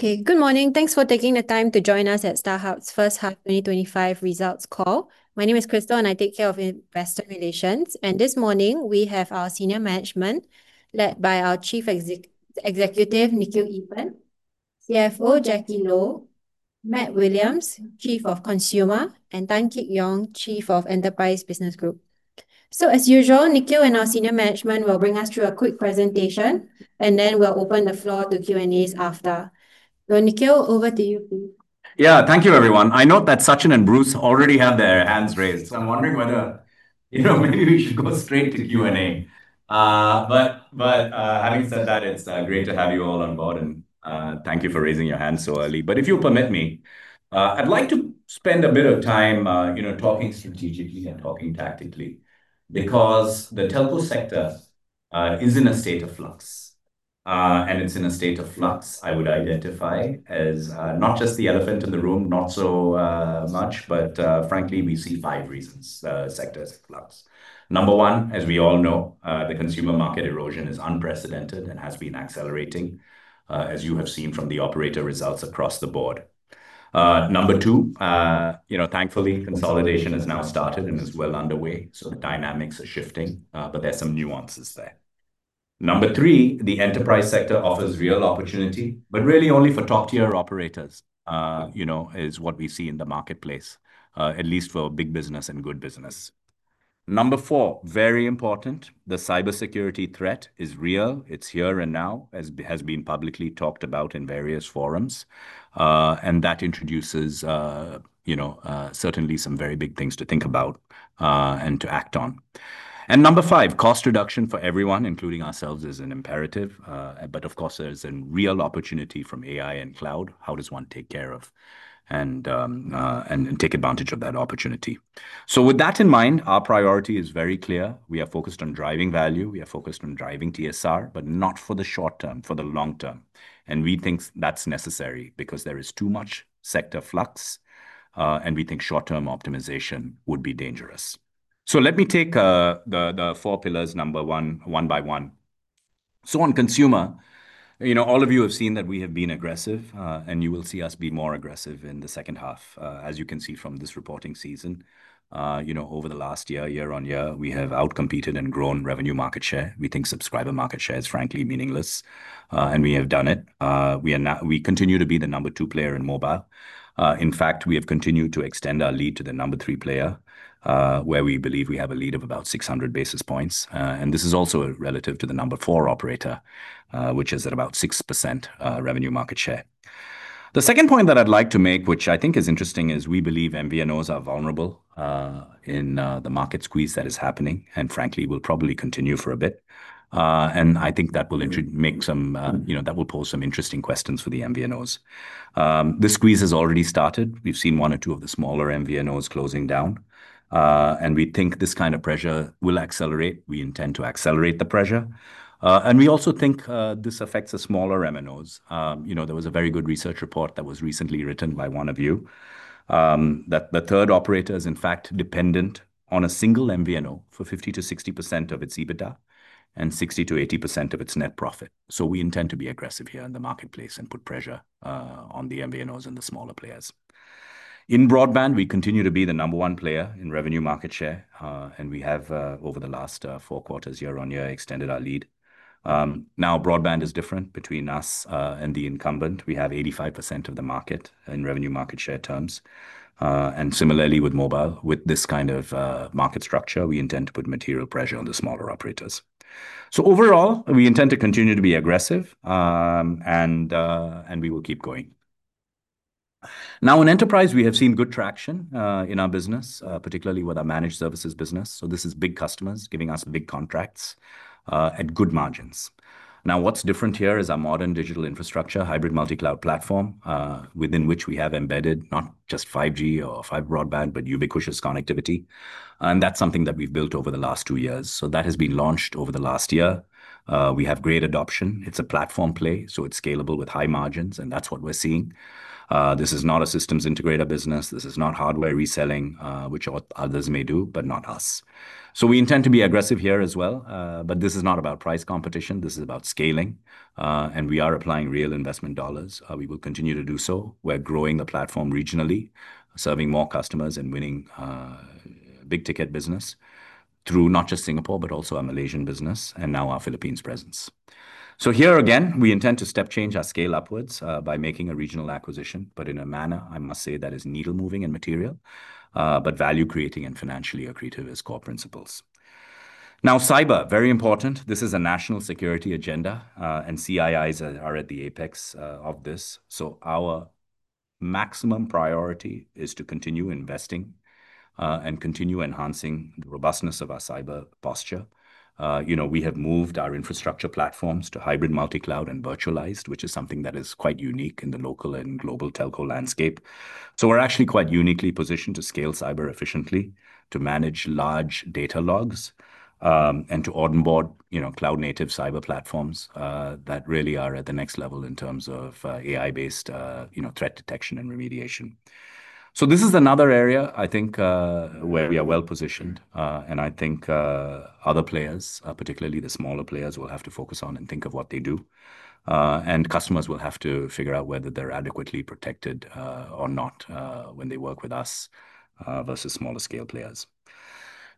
Okay, good morning. Thanks for taking the time to join us at StarHub's First Half 2025 Results Call. My name is Crystal and I take care of Investor Relations. This morning we have our senior management led by our Chief Executive, Nikhil Eapen, CFO Jacky Lo, Matt Williams, Chief of Consumer, and Tan Kit Yong, Chief of Enterprise Business Group. As usual, Nikhil and our senior management will bring us through a quick presentation, and then we'll open the floor to Q&As after. Nikhil, over to you, please. Thank you, everyone. I note that Sachin and Bruce already have their hands raised, so I'm wondering whether maybe we should go straight to Q&A. Having said that, it's great to have you all on board and thank you for raising your hands so early. If you'll permit me, I'd like to spend a bit of time talking strategically and talking tactically because the telco sector is in a state of flux. It's in a state of flux I would identify as not just the elephant in the room, not so much, but frankly, we see five reasons, sectors in flux. Number one, as we all know, the consumer market erosion is unprecedented and has been accelerating, as you have seen from the operator results across the board. Number two, thankfully, consolidation has now started and is well underway, so the dynamics are shifting, but there's some nuances there. Number three, the enterprise sector offers real opportunity, but really only for top-tier operators, is what we see in the marketplace, at least for big business and good business. Number four, very important, the cybersecurity threat is real. It's here and now, as has been publicly talked about in various forums. That introduces certainly some very big things to think about and to act on. Number five, cost reduction for everyone, including ourselves, is an imperative. Of course, there's a real opportunity from AI and cloud. How does one take care of and take advantage of that opportunity? With that in mind, our priority is very clear. We are focused on driving value. We are focused on driving TSR, but not for the short term, for the long term. We think that's necessary because there is too much sector flux, and we think short-term optimization would be dangerous. Let me take the four pillars, number one, one by one. On consumer, all of you have seen that we have been aggressive, and you will see us be more aggressive in the second half, as you can see from this reporting season. Over the last year, year on year, we have outcompeted and grown revenue market share. We think subscriber market share is frankly meaningless, and we have done it. We are now, we continue to be the number two player in mobile. In fact, we have continued to extend our lead to the number three player, where we believe we have a lead of about 600 basis points. This is also relative to the number four operator, which is at about 6% revenue market share. The second point that I'd like to make, which I think is interesting, is we believe MVNOs are vulnerable in the market squeeze that is happening, and frankly, will probably continue for a bit. I think that will pose some interesting questions for the MVNOs. The squeeze has already started. We've seen one or two of the smaller MVNOs closing down, and we think this kind of pressure will accelerate. We intend to accelerate the pressure, and we also think this affects the smaller MNOs. There was a very good research report that was recently written by one of you, that the third operator is, in fact, dependent on a single MVNO for 50%-60% of its EBITDA and 60%-80% of its net profit. We intend to be aggressive here in the marketplace and put pressure on the MVNOs and the smaller players. In broadband, we continue to be the number one player in revenue market share, and we have, over the last four quarters, year on year, extended our lead. Now broadband is different between us and the incumbent. We have 85% of the market in revenue market share terms. Similarly with mobile, with this kind of market structure, we intend to put material pressure on the smaller operators. Overall, we intend to continue to be aggressive, and we will keep going. In enterprise, we have seen good traction in our business, particularly with our managed services business. This is big customers giving us big contracts at good margins. What's different here is our modern digital infrastructure, hybrid multi-cloud platform, within which we have embedded not just 5G or fiber broadband, but ubiquitous connectivity. That's something that we've built over the last two years. That has been launched over the last year. We have great adoption. It's a platform play, so it's scalable with high margins, and that's what we're seeing. This is not a systems integrator business. This is not hardware reselling, which others may do, but not us. We intend to be aggressive here as well, but this is not about price competition. This is about scaling, and we are applying real investment dollars. We will continue to do so. We're growing the platform regionally, serving more customers and winning big ticket business through not just Singapore, but also our Malaysian business and now our Philippines presence. Here again, we intend to step change our scale upwards by making a regional acquisition, but in a manner, I must say, that is needle moving and material, but value creating and financially accretive as core principles. Now, cyber, very important. This is a national security agenda, and CIIs are at the apex of this. Our maximum priority is to continue investing and continue enhancing the robustness of our cyber posture. We have moved our infrastructure platforms to hybrid multi-cloud and virtualized, which is something that is quite unique in the local and global telco landscape. We're actually quite uniquely positioned to scale cyber efficiently, to manage large data logs, and to onboard cloud-native cyber platforms that really are at the next level in terms of AI-based threat detection and remediation. This is another area I think where we are well positioned, and I think other players, particularly the smaller players, will have to focus on and think of what they do. Customers will have to figure out whether they're adequately protected or not when they work with us versus smaller scale players.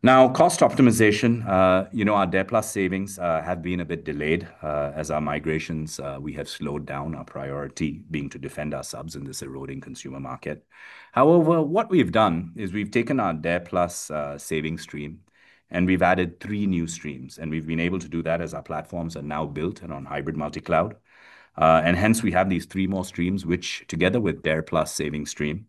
Now, cost optimization, our Dare+ savings have been a bit delayed, as our migrations, we have slowed down, our priority being to defend our subs in this eroding consumer market. However, what we've done is we've taken our Dare+ savings stream and we've added three new streams, and we've been able to do that as our platforms are now built and on hybrid multi-cloud, and hence we have these three more streams, which together with Dare+ savings stream,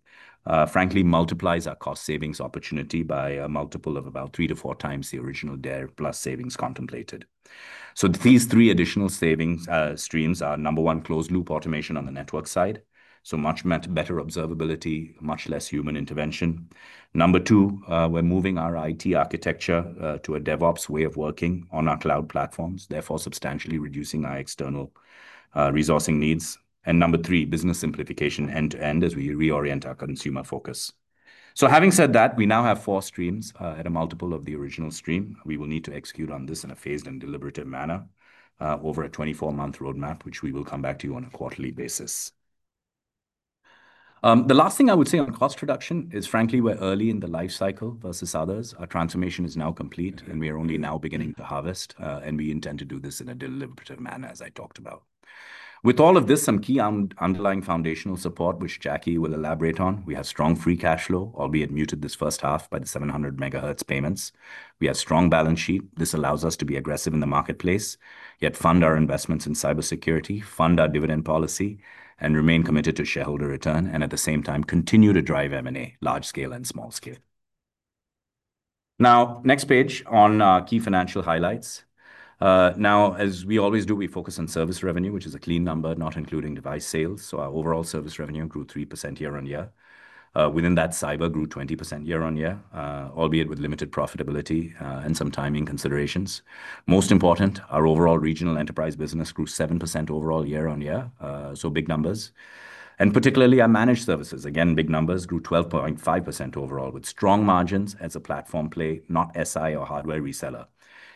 frankly multiplies our cost savings opportunity by a multiple of about three to four times the original Dare+ savings contemplated. These three additional savings streams are, number one, closed loop automation on the network side, so much better observability, much less human intervention. Number two, we're moving our IT architecture to a DevOps way of working on our cloud platforms, therefore substantially reducing our external resourcing needs. Number three, business simplification end-to-end as we reorient our consumer focus. Having said that, we now have four streams at a multiple of the original stream. We will need to execute on this in a phased and deliberative manner over a 24-month roadmap, which we will come back to you on a quarterly basis. The last thing I would say on cost reduction is, frankly, we're early in the lifecycle versus others. Our transformation is now complete and we are only now beginning to harvest, and we intend to do this in a deliberative manner, as I talked about. With all of this, some key underlying foundational support, which Jacky will elaborate on, we have strong free cash flow, albeit muted this first half by the $700 million payments. We have a strong balance sheet. This allows us to be aggressive in the marketplace, yet fund our investments in cybersecurity, fund our dividend policy, and remain committed to shareholder return, and at the same time continue to drive M&A, large scale and small scale. Next page on key financial highlights. As we always do, we focus on service revenue, which is a clean number, not including device sales. Our overall service revenue grew 3% year-on-year. Within that, cyber grew 20% year-on-year, albeit with limited profitability, and some timing considerations. Most important, our overall regional enterprise business grew 7% overall year on year. Big numbers. Particularly, our managed services, again, big numbers, grew 12.5% overall with strong margins as a platform play, not SI or hardware reseller.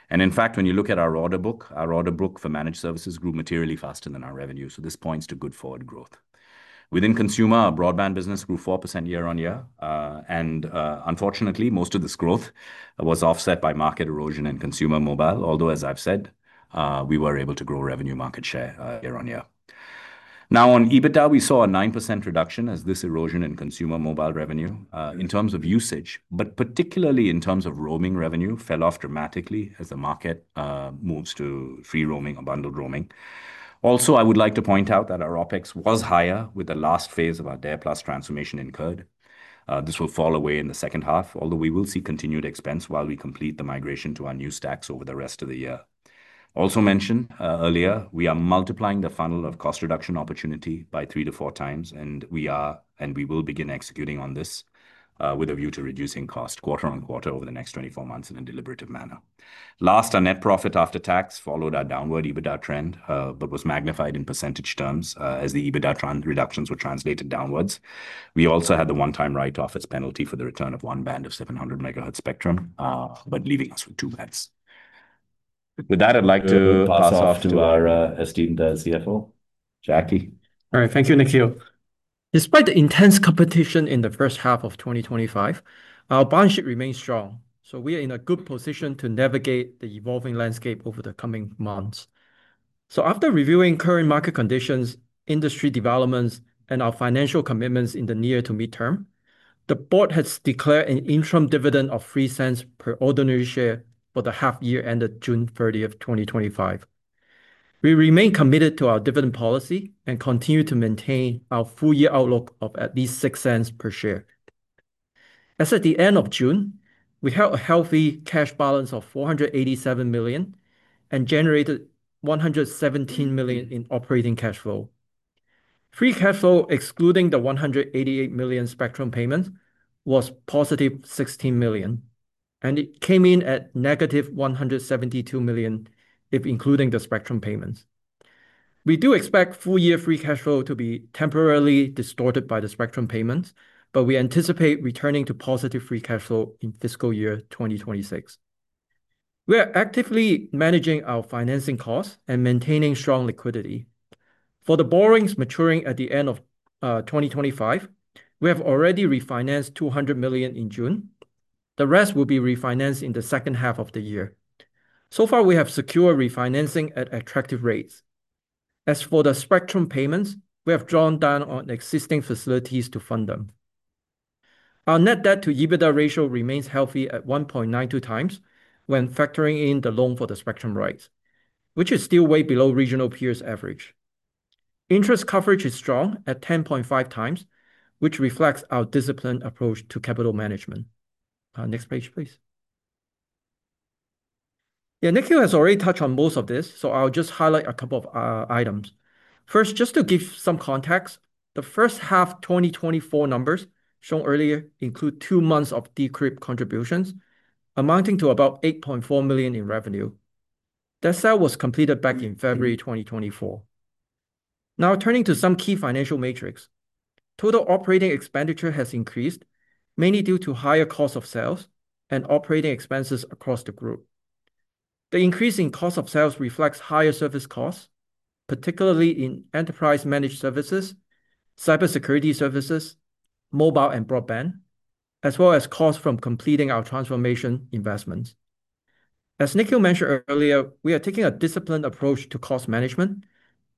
In fact, when you look at our order book, our order book for managed services grew materially faster than our revenue. This points to good forward growth. Within consumer, our broadband business grew 4% year-on-year. Unfortunately, most of this growth was offset by market erosion in consumer mobile, although as I've said, we were able to grow revenue market share year on year. On EBITDA, we saw a 9% reduction as this erosion in consumer mobile revenue, in terms of usage, but particularly in terms of roaming revenue, fell off dramatically as the market moves to free roaming or bundled roaming. I would like to point out that our OpEx was higher with the last phase of our Dare+ transformation incurred. This will fall away in the second half, although we will see continued expense while we complete the migration to our new stacks over the rest of the year. Also mentioned earlier, we are multiplying the funnel of cost reduction opportunity by three to four times, and we will begin executing on this, with a view to reducing cost quarter on quarter over the next 24 months in a deliberative manner. Last, our net profit after tax followed our downward EBITDA trend, but was magnified in % terms, as the EBITDA reductions were translated downwards. We also had the one-time write-off as penalty for the return of one band of 700 MHz spectrum, leaving us with two bands. With that, I'd like to pass off to our esteemed CFO, Jacky Lo. All right, thank you, Nikhil. Despite the intense competition in the first half of 2025, our balance sheet remains strong, so we are in a good position to navigate the evolving landscape over the coming months. After reviewing current market conditions, industry developments, and our financial commitments in the near to mid-term, the board has declared an interim dividend of $0.03 per ordinary share for the half year ended June 30, 2025. We remain committed to our dividend policy and continue to maintain our full-year outlook of at least $0.06 per share. As at the end of June, we held a healthy cash balance of $487 million and generated $117 million in operating cash flow. Free cash flow, excluding the $188 million spectrum payments, was +$16 million, and it came in at -$172 million if including the spectrum payments. We do expect full-year free cash flow to be temporarily distorted by the spectrum payments, but we anticipate returning to positive free cash flow in fiscal year 2026. We are actively managing our financing costs and maintaining strong liquidity. For the borrowings maturing at the end of 2025, we have already refinanced $200 million in June. The rest will be refinanced in the second half of the year. So far, we have secured refinancing at attractive rates. As for the spectrum payments, we have drawn down on existing facilities to fund them. Our net debt to EBITDA ratio remains healthy at 1.92x when factoring in the loan for the spectrum rights, which is still way below regional peers' average. Interest coverage is strong at 10.5x, which reflects our disciplined approach to capital management. Next page, please. Nikhil has already touched on most of this, so I'll just highlight a couple of items. First, just to give some context, the first half 2024 numbers shown earlier include two months of decreased contributions, amounting to about $8.4 million in revenue. That sale was completed back in February 2024. Now, turning to some key financial metrics, total operating expenditure has increased, mainly due to higher costs of sales and operating expenses across the group. The increase in costs of sales reflects higher service costs, particularly in enterprise managed services, cybersecurity services, mobile, and broadband, as well as costs from completing our transformation investments. As Nikhil mentioned earlier, we are taking a disciplined approach to cost management,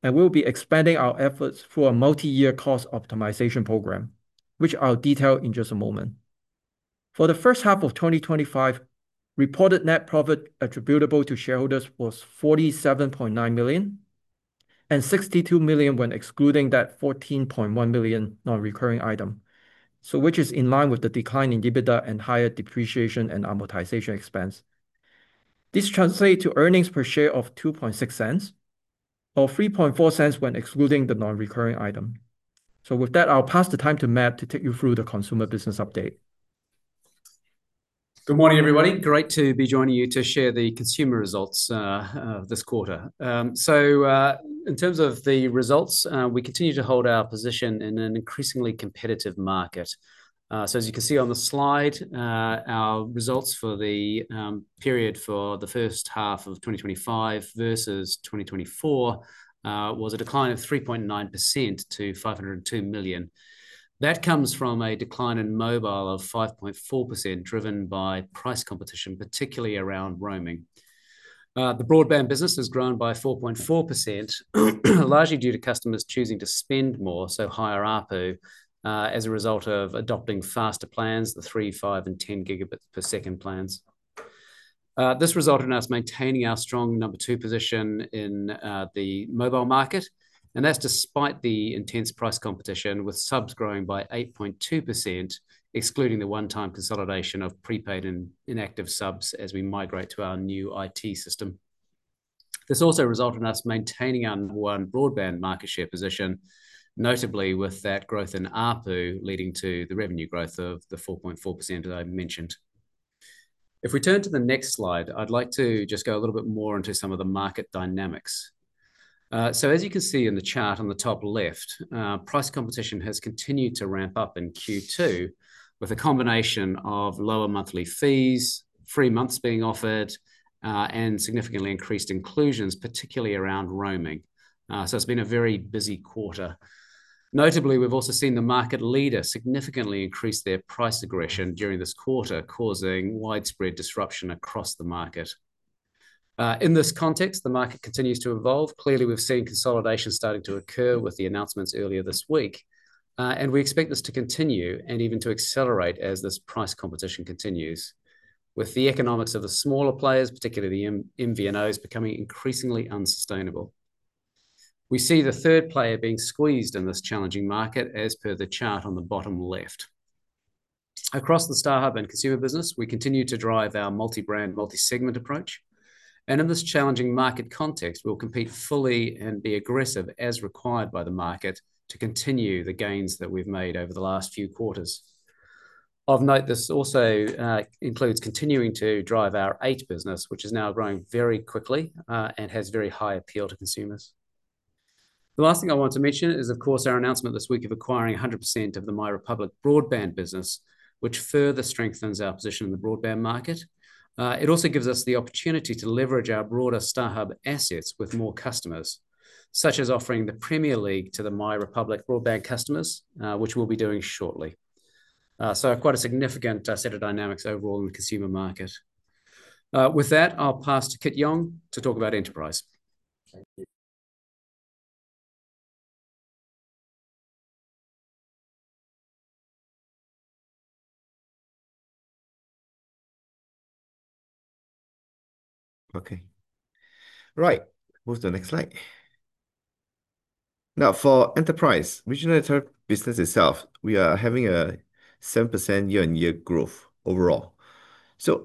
and we'll be expanding our efforts through a multi-year cost optimization program, which I'll detail in just a moment. For the first half of 2025, reported net profit attributable to shareholders was $47.9 million and $62 million when excluding that $14.1 million non-recurring item, which is in line with the decline in EBITDA and higher depreciation and amortization expense. This translates to earnings per share of $0.026 or $0.034 when excluding the non-recurring item. With that, I'll pass the time to Matt to take you through the consumer business update. Good morning, everybody. Great to be joining you to share the consumer results of this quarter. In terms of the results, we continue to hold our position in an increasingly competitive market. As you can see on the slide, our results for the period for the first half of 2025 versus 2024 was a decline of 3.9% to $502 million. That comes from a decline in mobile of 5.4% driven by price competition, particularly around roaming. The broadband business has grown by 4.4%, largely due to customers choosing to spend more, so higher ARPU, as a result of adopting faster plans, the 3 Gbps, 5 Gbps, and 10 Gbps plans. This resulted in us maintaining our strong number two position in the mobile market, and that's despite the intense price competition with subs growing by 8.2%, excluding the one-time consolidation of prepaid and inactive subs as we migrate to our new IT system. This also resulted in us maintaining our number one broadband market share position, notably with that growth in ARPU leading to the revenue growth of the 4.4% that I mentioned. If we turn to the next slide, I'd like to just go a little bit more into some of the market dynamics. As you can see in the chart on the top left, price competition has continued to ramp up in Q2 with a combination of lower monthly fees, free months being offered, and significantly increased inclusions, particularly around roaming. It's been a very busy quarter. Notably, we've also seen the market leader significantly increase their price aggression during this quarter, causing widespread disruption across the market. In this context, the market continues to evolve. Clearly, we've seen consolidation starting to occur with the announcements earlier this week, and we expect this to continue and even to accelerate as this price competition continues, with the economics of the smaller players, particularly the MVNOs, becoming increasingly unsustainable. We see the third player being squeezed in this challenging market, as per the chart on the bottom left. Across the StarHub and consumer business, we continue to drive our multi-brand, multi-segment approach, and in this challenging market context, we'll compete fully and be aggressive as required by the market to continue the gains that we've made over the last few quarters. Of note, this also includes continuing to drive our eight business, which is now growing very quickly and has very high appeal to consumers. The last thing I want to mention is, of course, our announcement this week of acquiring 100% of the MyRepublic broadband business, which further strengthens our position in the broadband market. It also gives us the opportunity to leverage our broader StarHub assets with more customers, such as offering the Premier League to the MyRepublic broadband customers, which we'll be doing shortly. Quite a significant set of dynamics overall in the consumer market. With that, I'll pass to Kit Yong to talk about enterprise. Okay. Right. What does that look like? Now, for enterprise, regionally termed business itself, we are having a 7% year-on-year growth overall.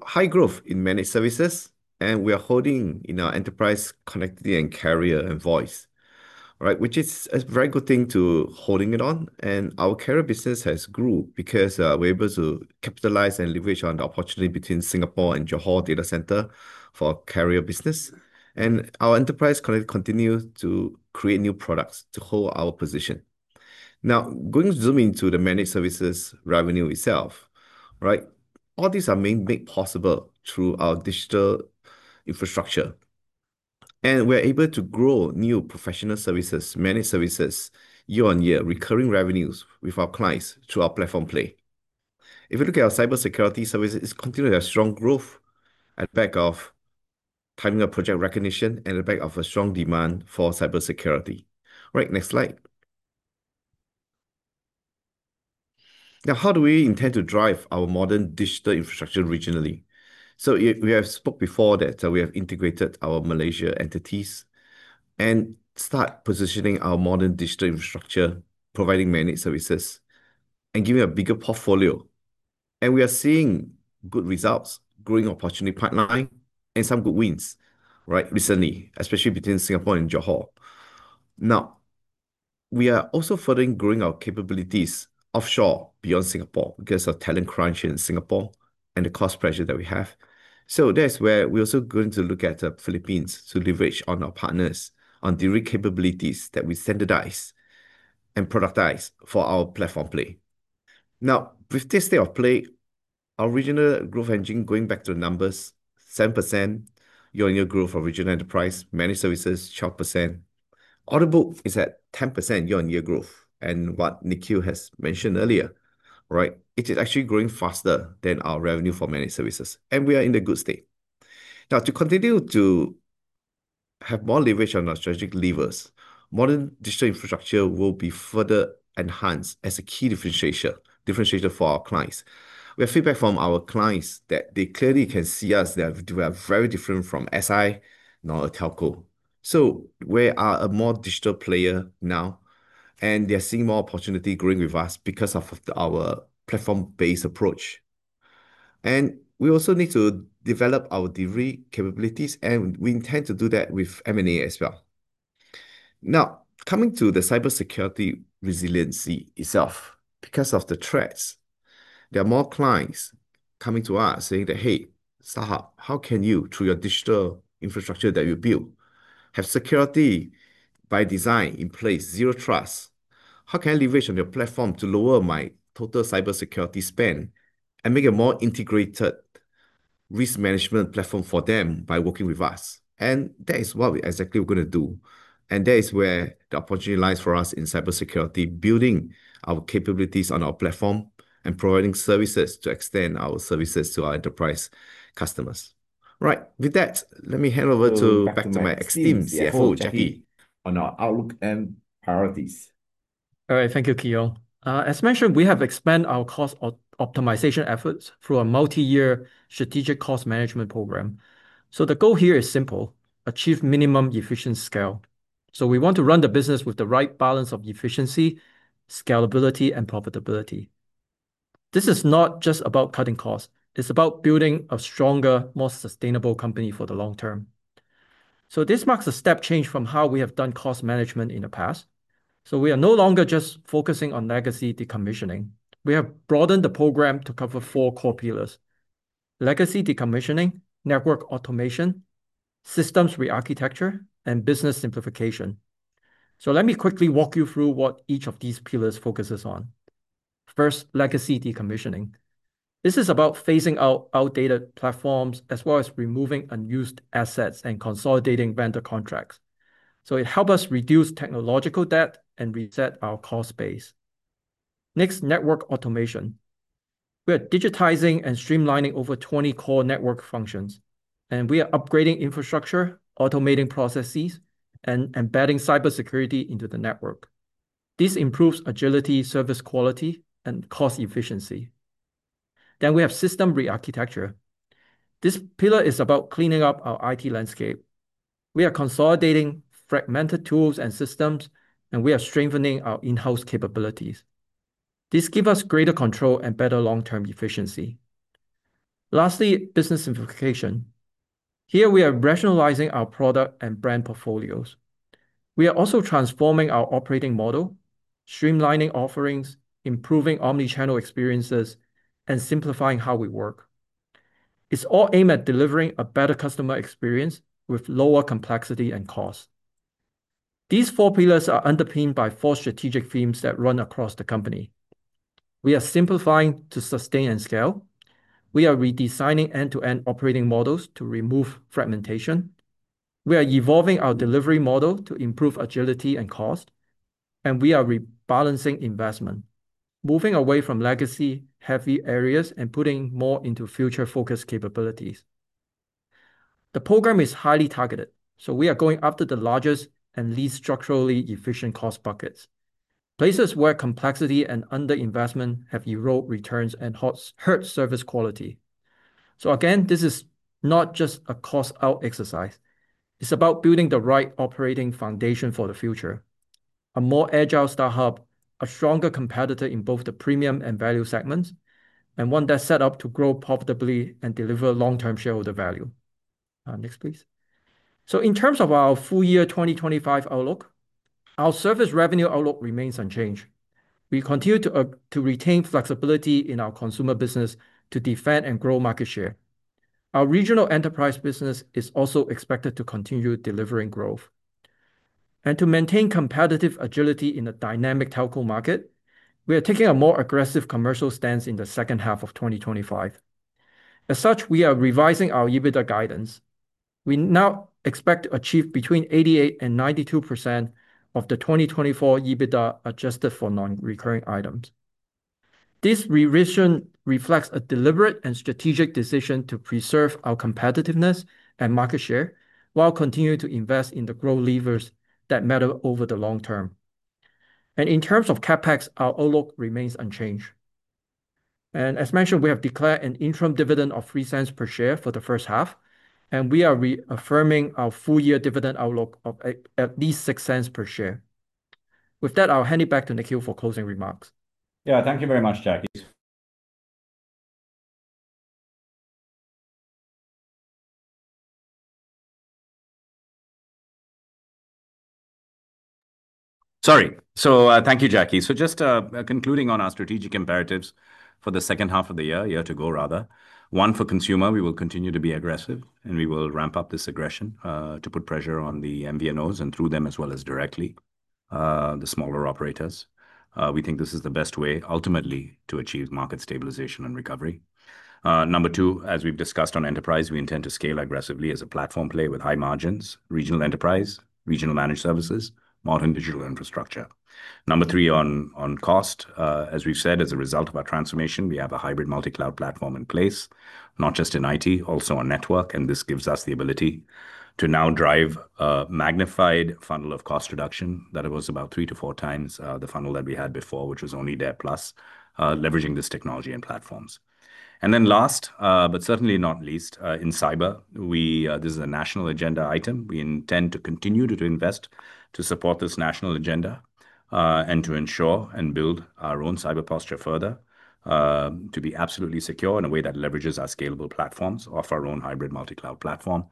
High growth in managed services, and we are holding in our enterprise connectivity and carrier and voice, right? Which is a very good thing to be holding it on. Our carrier business has grown because we're able to capitalize and leverage on the opportunity between Singapore and Johor data center for our carrier business. Our enterprise colleagues continue to create new products to hold our position. Now, going to zoom into the managed services revenue itself, right? All these are made possible through our digital infrastructure. We're able to grow new professional services, managed services, year-on-year, recurring revenues with our clients through our platform play. If you look at our cybersecurity services, it's continued to have strong growth at the back of timing of project recognition and at the back of a strong demand for cybersecurity. Right, next slide. Now, how do we intend to drive our modern digital infrastructure regionally? We have spoken before that we have integrated our Malaysia entities and start positioning our modern digital infrastructure, providing managed services and giving a bigger portfolio. We are seeing good results, growing opportunity pipeline, and some good wins, right, recently, especially between Singapore and Johor. We are also furthering growing our capabilities offshore beyond Singapore because of talent crunch in Singapore and the cost pressure that we have. That's where we're also going to look at the Philippines to leverage on our partners on the capabilities that we standardize and productize for our platform play. Now, with this state of play, our regional growth engine, going back to the numbers, 7% year-on-year growth for regional enterprise, managed services, 12%. Audit book is at 10% year-on-year growth. What Nikhil has mentioned earlier, right, it is actually growing faster than our revenue for managed services. We are in a good state. To continue to have more leverage on our strategic levers, modern digital infrastructure will be further enhanced as a key differentiator for our clients. We have feedback from our clients that they clearly can see us that we are very different from SI, not a telco. We are a more digital player now, and they're seeing more opportunity growing with us because of our platform-based approach. We also need to develop our delivery capabilities, and we intend to do that with M&A as well. Now, coming to the cybersecurity resiliency itself, because of the threats, there are more clients coming to us saying that, "Hey, StarHub, how can you, through your digital infrastructure that you build, have security by design in place, zero trust? How can I leverage on your platform to lower my total cybersecurity spend and make a more integrated risk management platform for them by working with us?" That is what we're exactly going to do. That is where the opportunity lies for us in cybersecurity, building our capabilities on our platform and providing services to extend our services to our enterprise customers. With that, let me hand over back to my esteemed CFO, Jacky. On our outlook and priorities. All right, thank you, Kit Yong. As mentioned, we have expanded our cost optimization efforts through a multi-year strategic cost management program. The goal here is simple: achieve minimum efficient scale. We want to run the business with the right balance of efficiency, scalability, and profitability. This is not just about cutting costs. It's about building a stronger, more sustainable company for the long term. This marks a step change from how we have done cost management in the past. We are no longer just focusing on legacy decommissioning. We have broadened the program to cover four core pillars: legacy decommissioning, network automation, systems re-architecture, and business simplification. Let me quickly walk you through what each of these pillars focuses on. First, legacy decommissioning. This is about phasing out outdated platforms as well as removing unused assets and consolidating vendor contracts. It helps us reduce technological debt and reset our cost base. Next, network automation. We are digitizing and streamlining over 20 core network functions, and we are upgrading infrastructure, automating processes, and embedding cybersecurity into the network. This improves agility, service quality, and cost efficiency. We have system re-architecture. This pillar is about cleaning up our IT landscape. We are consolidating fragmented tools and systems, and we are strengthening our in-house capabilities. This gives us greater control and better long-term efficiency. Lastly, business simplification. Here, we are rationalizing our product and brand portfolios. We are also transforming our operating model, streamlining offerings, improving omnichannel experiences, and simplifying how we work. It's all aimed at delivering a better customer experience with lower complexity and cost. These four pillars are underpinned by four strategic themes that run across the company. We are simplifying to sustain and scale. We are redesigning end-to-end operating models to remove fragmentation. We are evolving our delivery model to improve agility and cost, and we are rebalancing investment, moving away from legacy-heavy areas and putting more into future-focused capabilities. The program is highly targeted, so we are going after the largest and least structurally efficient cost buckets, places where complexity and underinvestment have eroded returns and hurt service quality. This is not just a cost-out exercise. It's about building the right operating foundation for the future: a more agile startup, a stronger competitor in both the premium and value segments, and one that's set up to grow profitably and deliver long-term shareholder value. Next, please. In terms of our full-year 2025 outlook, our service revenue outlook remains unchanged. We continue to retain flexibility in our consumer business to defend and grow market share. Our regional enterprise business is also expected to continue delivering growth. To maintain competitive agility in the dynamic telco market, we are taking a more aggressive commercial stance in the second half of 2025. As such, we are revising our EBITDA guidance. We now expect to achieve between 88% and 92% of the 2024 EBITDA adjusted for non-recurring items. This revision reflects a deliberate and strategic decision to preserve our competitiveness and market share while continuing to invest in the growth levers that matter over the long term. In terms of CapEx, our outlook remains unchanged. As mentioned, we have declared an interim dividend of $0.03 per share for the first half, and we are reaffirming our full-year dividend outlook of at least $0.06 per share. With that, I'll hand it back to Nikhil for closing remarks. Yeah, thank you very much, Jacky. Thank you, Jacky. Just concluding on our strategic imperatives for the second half of the year, year to go rather. One, for consumer, we will continue to be aggressive, and we will ramp up this aggression to put pressure on the MVNOs and through them as well as directly the smaller operators. We think this is the best way, ultimately, to achieve market stabilization and recovery. Number two, as we've discussed on enterprise, we intend to scale aggressively as a platform play with high margins: regional enterprise, regional managed services, modern digital infrastructure. Number three, on cost, as we've said, as a result of our transformation, we have a hybrid multi-cloud platform in place, not just in IT, also on network, and this gives us the ability to now drive a magnified funnel of cost reduction that was about three to four times the funnel that we had before, which was only Dare+, leveraging this technology and platforms. Last, but certainly not least, in cyber, this is a national agenda item. We intend to continue to invest to support this national agenda and to ensure and build our own cyber posture further, to be absolutely secure in a way that leverages our scalable platforms off our own hybrid multi-cloud platform,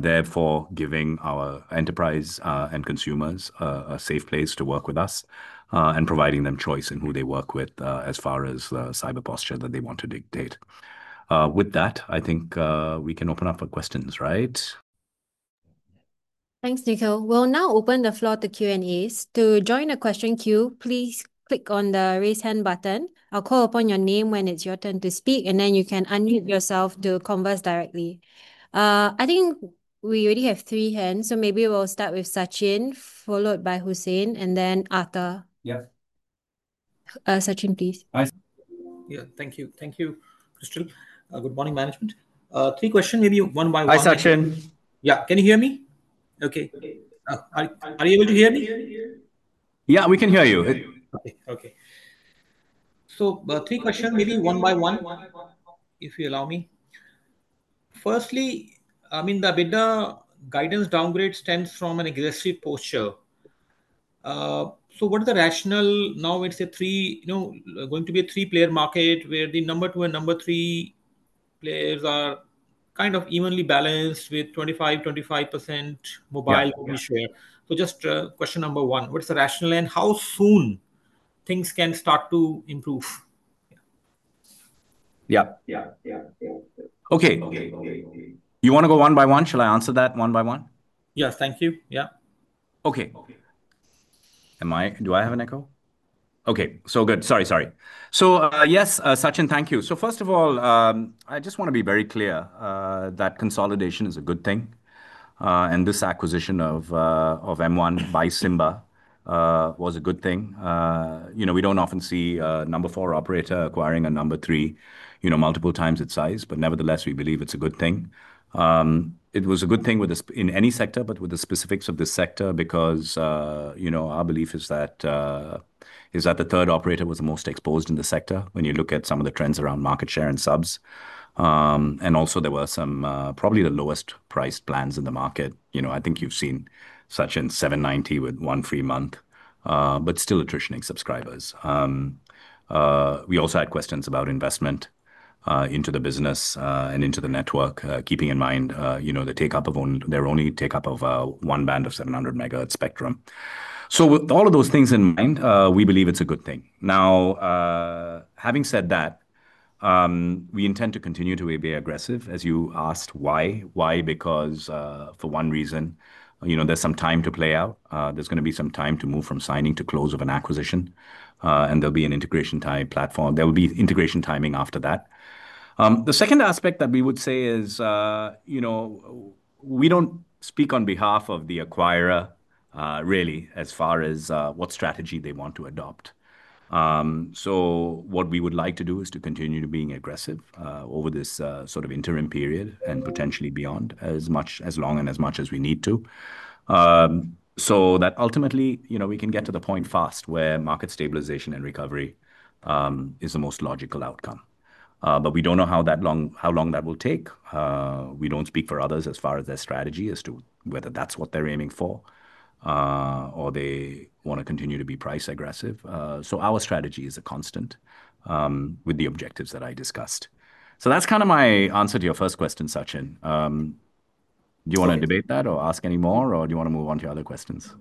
therefore giving our enterprise and consumers a safe place to work with us and providing them choice in who they work with as far as the cyber posture that they want to dictate. With that, I think we can open up for questions, right? Thanks, Nikhil. We'll now open the floor to Q&A. To join the question queue, please click on the raise hand button. I'll call upon your name when it's your turn to speak, and then you can unmute yourself to converse directly. I think we already have three hands, so maybe we'll start with Sachin, followed by Hussain, and then Arthur. Yeah. Sachin, please. Thank you. Thank you, Christian. Good morning, management. Three questions, maybe one by one. Hi, Sachin. Yeah, can you hear me? Are you able to hear me? Yeah, we can hear you. Okay. Three questions, maybe one by one, if you allow me. Firstly, the better guidance downgrade stems from an aggressive posture. What are the rationale now, when it's going to be a three-player market where the number two and number three players are kind of evenly balanced with 25% and 25% mobile share? Just question number one, what's the rationale and how soon things can start to improve? Yeah, okay. You want to go one by one? Shall I answer that one by one? Yes, thank you. Yeah. Okay. Do I have an echo? Okay, so good. Sorry, sorry. Yes, Sachin, thank you. First of all, I just want to be very clear that consolidation is a good thing, and this acquisition of M1 by Simba was a good thing. We don't often see a number four operator acquiring a number three, multiple times its size, but nevertheless, we believe it's a good thing. It was a good thing in any sector, but with the specifics of this sector, because our belief is that the third operator was the most exposed in the sector when you look at some of the trends around market share and subs. Also, there were probably the lowest priced plans in the market. I think you've seen such in $7.90 with one free month, but still attritioning subscribers. We also had questions about investment into the business and into the network, keeping in mind their only take-up of one band of 700 MHz spectrum. With all of those things in mind, we believe it's a good thing. Now, having said that, we intend to continue to be aggressive, as you asked why. Why? For one reason, there's some time to play out. There's going to be some time to move from signing to close of an acquisition, and there'll be an integration-type platform. There will be integration timing after that. The second aspect that we would say is we don't speak on behalf of the acquirer, really, as far as what strategy they want to adopt. What we would like to do is to continue to be aggressive over this sort of interim period and potentially beyond as much as long and as much as we need to. That ultimately, we can get to the point fast where market stabilization and recovery is the most logical outcome. We don't know how long that will take. We don't speak for others as far as their strategy as to whether that's what they're aiming for or they want to continue to be price aggressive. Our strategy is a constant with the objectives that I discussed. That's kind of my answer to your first question, Sachin. Do you want to debate that or ask any more, or do you want to move on to other questions?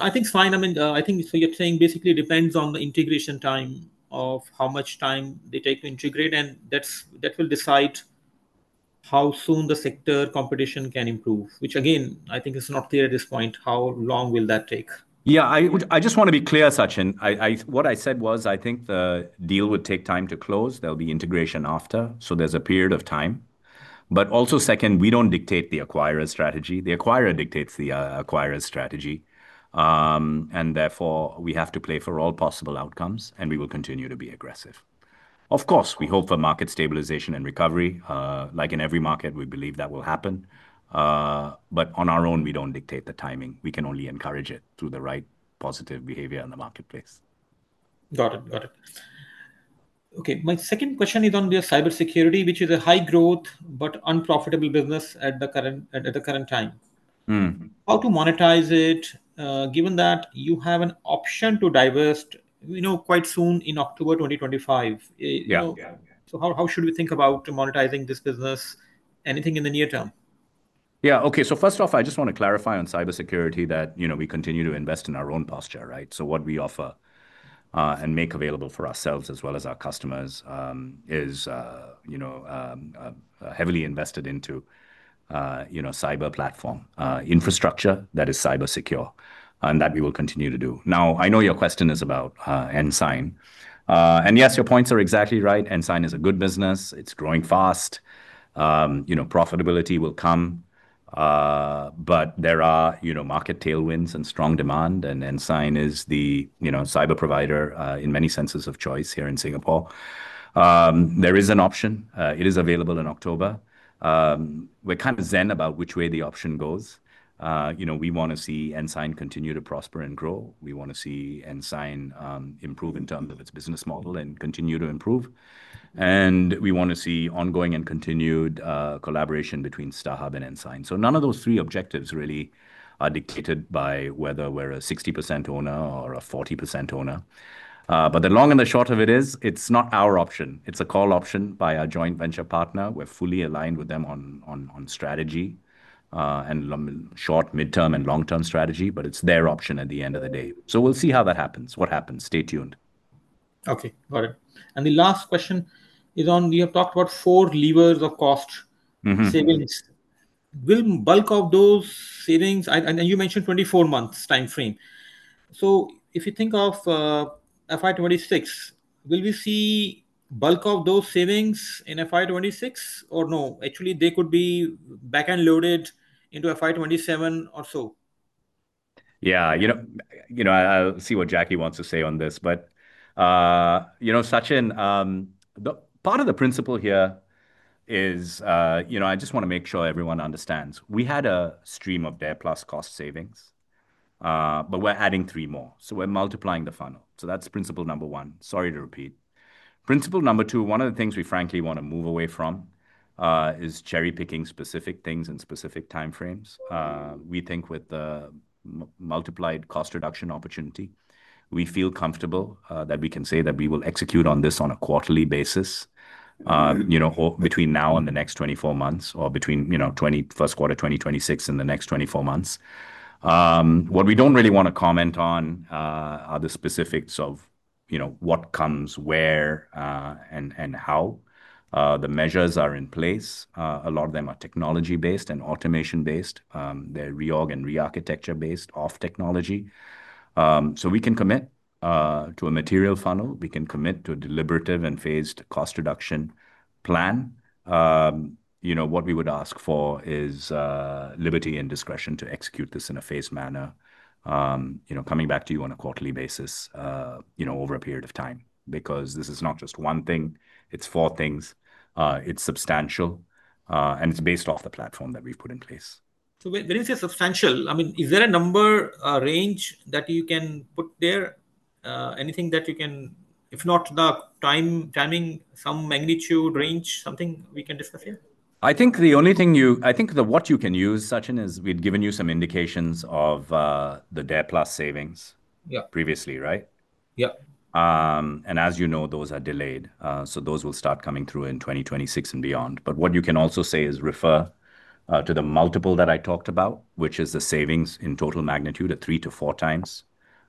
I think fine. I mean, I think you're saying basically it depends on the integration time of how much time they take to integrate, and that will decide how soon the sector competition can improve, which again, I think is not clear at this point. How long will that take? Yeah, I just want to be clear, Sachin. What I said was I think the deal would take time to close. There'll be integration after. There's a period of time. We don't dictate the acquirer's strategy. The acquirer dictates the acquirer's strategy. Therefore, we have to play for all possible outcomes, and we will continue to be aggressive. Of course, we hope for market stabilization and recovery. Like in every market, we believe that will happen. On our own, we don't dictate the timing. We can only encourage it through the right positive behavior in the marketplace. Got it, got it. Okay, my second question is on the cybersecurity, which is a high-growth but unprofitable business at the current time. How to monetize it, given that you have an option to divest, you know, quite soon in October 2025. How should we think about monetizing this business? Anything in the near term? Yeah, okay. First off, I just want to clarify on cybersecurity that we continue to invest in our own posture, right? What we offer and make available for ourselves as well as our customers is heavily invested into cyber platform infrastructure that is cybersecure, and that we will continue to do. I know your question is about Ensign. Yes, your points are exactly right. Ensign is a good business. It's growing fast. Profitability will come. There are market tailwinds and strong demand, and Ensign is the cyber provider in many senses of choice here in Singapore. There is an option. It is available in October. We're kind of zen about which way the option goes. We want to see Ensign continue to prosper and grow. We want to see Ensign improve in terms of its business model and continue to improve. We want to see ongoing and continued collaboration between StarHub Ltd and Ensign. None of those three objectives really are dictated by whether we're a 60% owner or a 40% owner. The long and the short of it is, it's not our option. It's a call option by our joint venture partner. We're fully aligned with them on strategy and short, mid-term, and long-term strategy, but it's their option at the end of the day. We'll see what happens. Stay tuned. Okay, got it. The last question is on, we have talked about four levers of cost savings. Will bulk of those savings, and you mentioned 24 months timeframe. If you think of FY 2026, will we see bulk of those savings in FY 2026 or no? Actually, they could be back-end loaded into FY 2027 or so. Yeah, you know, I'll see what Jacky wants to say on this, but you know, Sachin, part of the principle here is, you know, I just want to make sure everyone understands. We had a stream of Dare+ cost savings, but we're adding three more. We're multiplying the funnel. That's principle number one. Sorry to repeat. Principle number two, one of the things we frankly want to move away from is cherry-picking specific things in specific timeframes. We think with the multiplied cost reduction opportunity, we feel comfortable that we can say that we will execute on this on a quarterly basis, between now and the next 24 months or between, you know, first quarter 2026 and the next 24 months. What we don't really want to comment on are the specifics of what comes where and how the measures are in place. A lot of them are technology-based and automation-based. They're re-architecture-based off technology. We can commit to a material funnel. We can commit to a deliberative and phased cost reduction plan. What we would ask for is liberty and discretion to execute this in a phased manner, coming back to you on a quarterly basis over a period of time because this is not just one thing. It's four things. It's substantial and it's based off the platform that we've put in place. When you say substantial, is there a number range that you can put there? Anything that you can, if not the timing, some magnitude range, something we can discuss here? I think what you can use, Sachin, is we've given you some indications of the Dare+ savings previously, right? Yeah. Those are delayed. Those will start coming through in 2026 and beyond. You can also refer to the multiple that I talked about, which is the savings in total magnitude of three to four times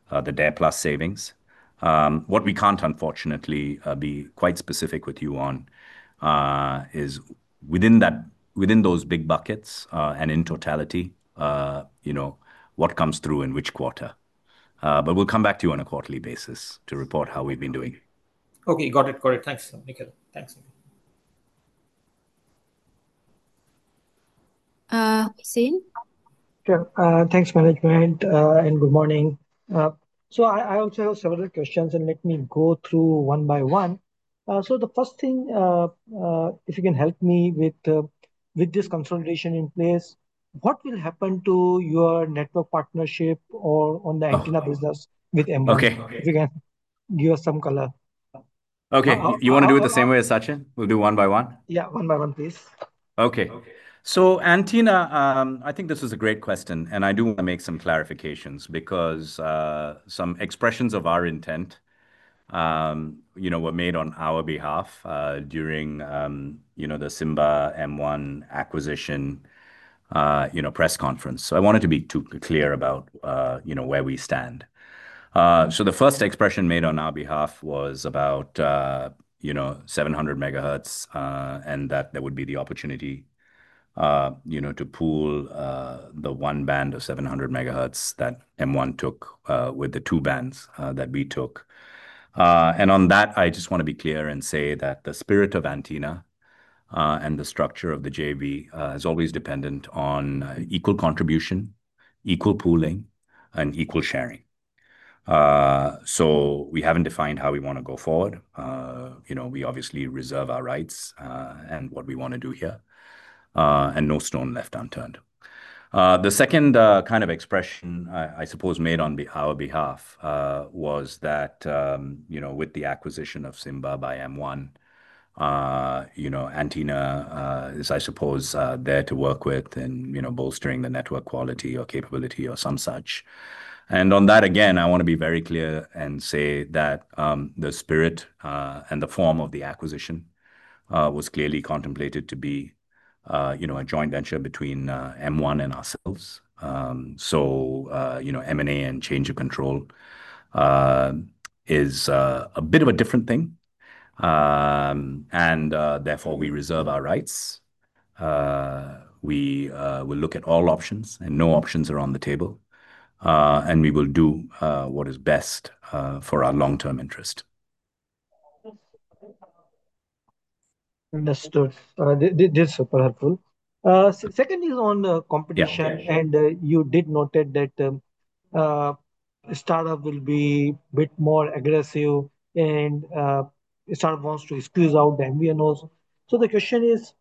the Dare Plus savings. We can't, unfortunately, be quite specific with you on, within those big buckets and in totality, what comes through in which quarter. We'll come back to you on a quarterly basis to report how we've been doing it. Okay, got it. Thanks, Nikhil. Same. Thank you, management, and good morning. I also have several questions and let me go through one by one. The first thing, if you can help me with this consolidation in place, what will happen to your network partnership or on the antenna business with M1? Okay. If you can give us some color. Okay, you want to do it the same way as Sachin? We'll do one by one. Yeah, one by one, please. Okay. Antenna, I think this is a great question and I do want to make some clarifications because some expressions of our intent were made on our behalf during the Simba M1 acquisition press conference. I wanted to be clear about where we stand. The first expression made on our behalf was about 700 MHz and that there would be the opportunity to pool the one band of 700 MHz that M1 took with the two bands that we took. On that, I just want to be clear and say that the spirit of antenna and the structure of the joint venture is always dependent on equal contribution, equal pooling, and equal sharing. We haven't defined how we want to go forward. We obviously reserve our rights and what we want to do here and no stone left unturned. The second kind of expression made on our behalf was that with the acquisition of Simba by M1, antenna is there to work with and bolstering the network quality or capability or some such. On that, again, I want to be very clear and say that the spirit and the form of the acquisition was clearly contemplated to be a joint venture between M1 and ourselves. M&A and change of control is a bit of a different thing and therefore we reserve our rights. We will look at all options and no options are on the table and we will do what is best for our long-term interest. Understood. This is super helpful. Second is on the competition, and you did notate that StarHub will be a bit more aggressive and StarHub wants to squeeze out the MVNOs. The question is,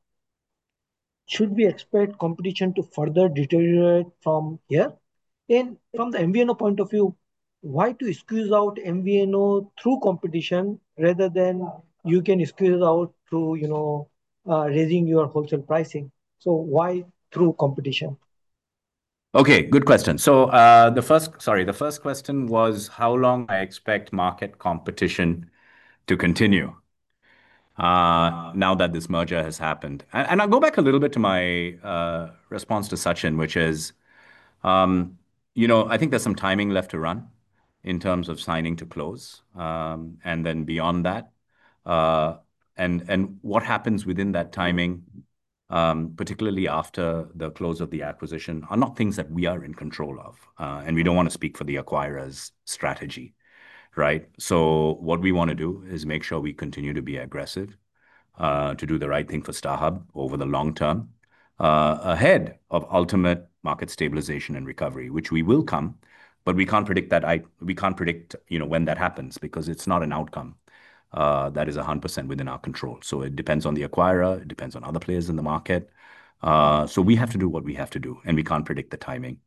should we expect competition to further deteriorate from here? From the MVNO point of view, why do you squeeze out MVNO through competition rather than you can squeeze it out through, you know, raising your wholesale pricing? Why through competition? Okay, good question. The first question was how long I expect market competition to continue now that this merger has happened. I'll go back a little bit to my response to Sachin, which is, you know, I think there's some timing left to run in terms of signing to close and then beyond that. What happens within that timing, particularly after the close of the acquisition, are not things that we are in control of and we don't want to speak for the acquirer's strategy, right? What we want to do is make sure we continue to be aggressive to do the right thing for StarHub Ltd over the long term ahead of ultimate market stabilization and recovery, which will come, but we can't predict that. We can't predict, you know, when that happens because it's not an outcome that is 100% within our control. It depends on the acquirer, it depends on other players in the market. We have to do what we have to do and we can't predict the timing.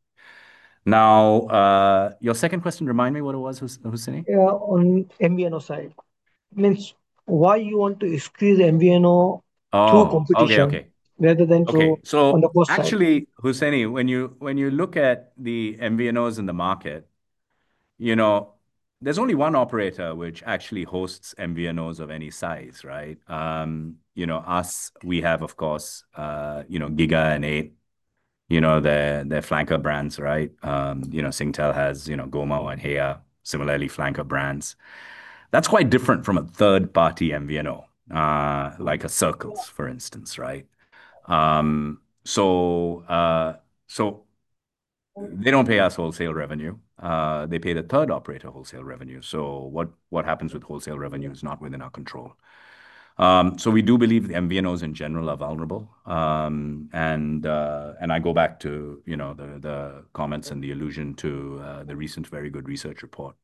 Now, your second question, remind me what it was, Hussain? Yeah, on MVNO side, why do you want to squeeze MVNO through competition rather than through on the first side? Actually, Hussain, when you look at the MVNOs in the market, there's only one operator which actually hosts MVNOs of any size, right? You know, us, we have, of course, Giga and A, their flanker brands, right? Singtel has Gomo and Heya, similarly flanker brands. That's quite different from a third-party MVNO, like a Circles, for instance, right? They don't pay us wholesale revenue. They pay the third operator wholesale revenue. What happens with wholesale revenue is not within our control. We do believe the MVNOs in general are vulnerable. I go back to the comments and the allusion to the recent Very Good Research report,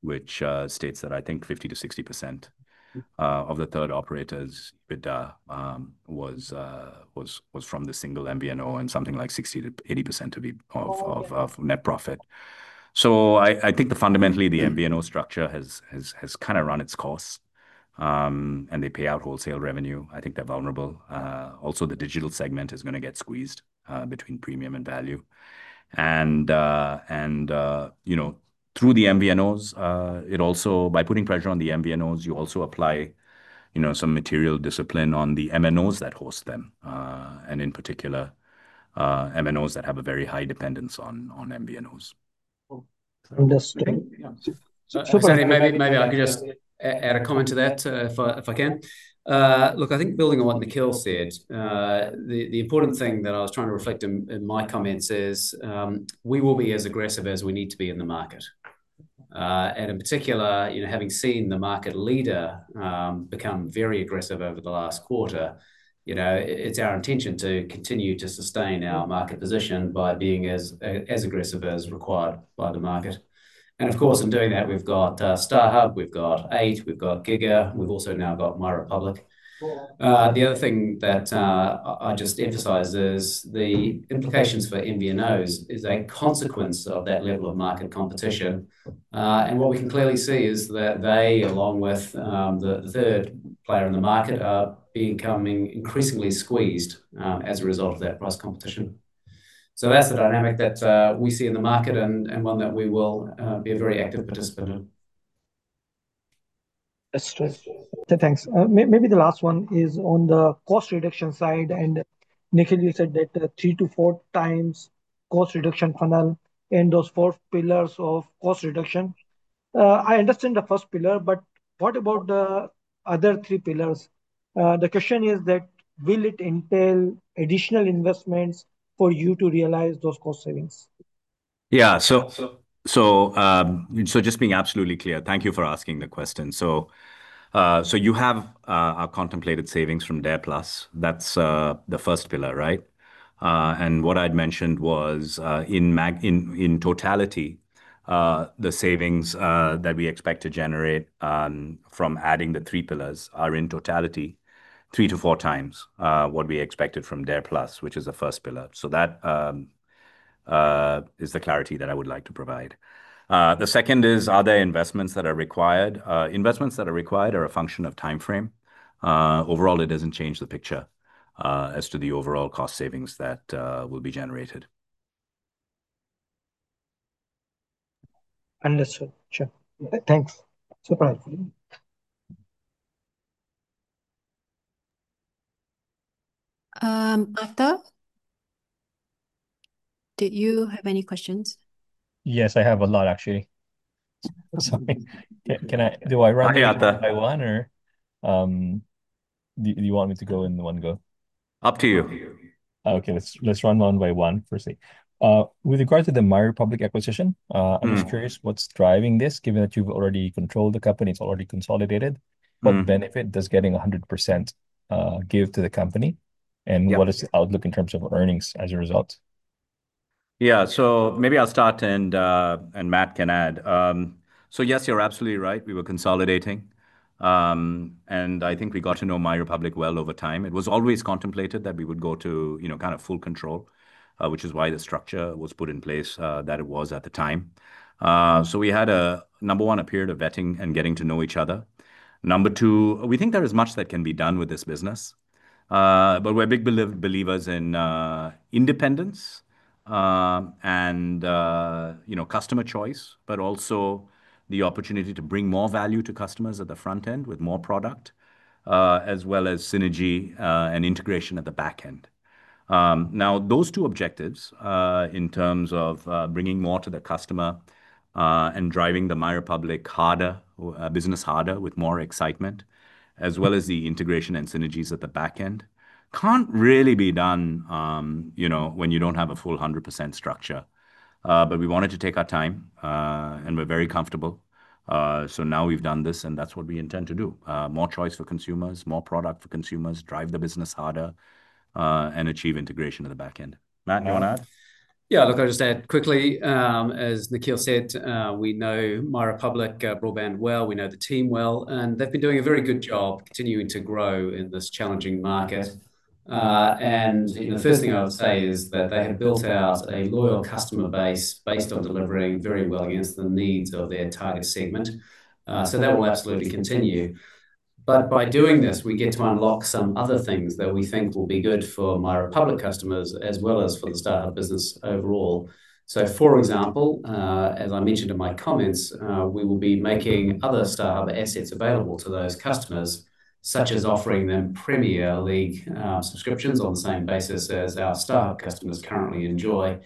which states that I think 50%-60% of the third operator's EBITDA was from the single MVNO and something like 60%-80% of net profit. I think fundamentally the MVNO structure has kind of run its course. They pay out wholesale revenue. I think they're vulnerable. Also, the digital segment is going to get squeezed between premium and value. Through the MVNOs, by putting pressure on the MVNOs, you also apply some material discipline on the MNOs that host them, in particular, MNOs that have a very high dependence on MVNOs. Understood. Maybe I can just add a comment to that if I can. Look, I think building on what Nikhil said, the important thing that I was trying to reflect in my comments is we will be as aggressive as we need to be in the market. In particular, having seen the market leader become very aggressive over the last quarter, it's our intention to continue to sustain our market position by being as aggressive as required by the market. Of course, in doing that, we've got StarHub, we've got Eight, we've got Giga, we've also now got MyRepublic. The other thing that I just emphasize is the implications for MVNOs is a consequence of that level of market competition. What we can clearly see is that they, along with the third player in the market, are becoming increasingly squeezed as a result of that price competition. That's a dynamic that we see in the market and one that we will be a very active participant in. That's stressed. Thanks. Maybe the last one is on the cost reduction side. Nikhil, you said that three to four times cost reduction funnel and those four pillars of cost reduction. I understand the first pillar, but what about the other three pillars? The question is that will it entail additional investments for you to realize those cost savings? Thank you for asking the question. You have our contemplated savings from Dare+. That's the first pillar, right? What I'd mentioned was in totality, the savings that we expect to generate from adding the three pillars are in totality three to four times what we expected from Dare+, which is the first pillar. That is the clarity that I would like to provide. The second is, are there investments that are required? Investments that are required are a function of timeframe. Overall, it doesn't change the picture as to the overall cost savings that will be generated. Understood. Sure, thanks. Arthur, did you have any questions? Yes, I have a lot, actually. Sorry. Can I run one by one, or do you want me to go in one go? Up to you. Okay, let's run one by one. Firstly, with regard to the MyRepublic acquisition, I'm just curious what's driving this, given that you've already controlled the company, it's already consolidated. What benefit does getting 100% give to the company, and what is the outlook in terms of earnings as a result? Yeah, maybe I'll start and Matt can add. Yes, you're absolutely right. We were consolidating. I think we got to know MyRepublic well over time. It was always contemplated that we would go to, you know, kind of full control, which is why the structure was put in place that it was at the time. We had a number one period of vetting and getting to know each other. Number two, we think there is much that can be done with this business. We're big believers in independence and, you know, customer choice, but also the opportunity to bring more value to customers at the front end with more product, as well as synergy and integration at the back end. Those two objectives in terms of bringing more to the customer and driving the MyRepublic business harder with more excitement, as well as the integration and synergies at the back end, can't really be done when you don't have a full 100% structure. We wanted to take our time and we're very comfortable. Now we've done this and that's what we intend to do. More choice for consumers, more product for consumers, drive the business harder, and achieve integration at the back end. Matt, you want to add? Yeah, look, I'll just add quickly. As Nikhil said, we know MyRepublic broadband well. We know the team well. They've been doing a very good job continuing to grow in this challenging market. The first thing I would say is that they have built out a loyal customer base based on delivering very well against the needs of their target segment. That will absolutely continue. By doing this, we get to unlock some other things that we think will be good for MyRepublic customers as well as for the StarHub business overall. For example, as I mentioned in my comments, we will be making other StarHub assets available to those customers, such as offering them Premier League subscriptions on the same basis as our StarHub customers currently enjoy,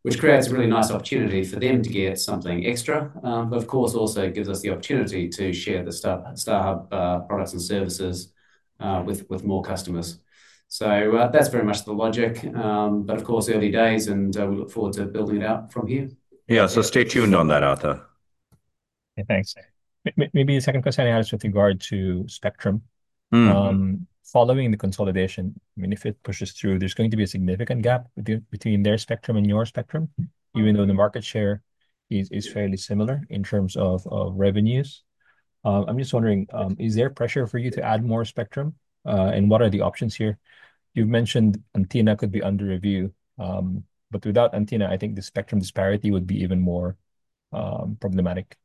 which creates a really nice opportunity for them to get something extra. It also gives us the opportunity to share the StarHub products and services with more customers. That's very much the logic. Early days and we look forward to building it out from here. Yeah, stay tuned on that, Arthur. Thanks. Maybe the second question I asked with regard to spectrum. Following the consolidation, if it pushes through, there's going to be a significant gap between their spectrum and your spectrum, even though the market share is fairly similar in terms of revenues. I'm just wondering, is there pressure for you to add more spectrum and what are the options here? You've mentioned antenna could be under review, but without antenna, I think the spectrum disparity would be even more problematic.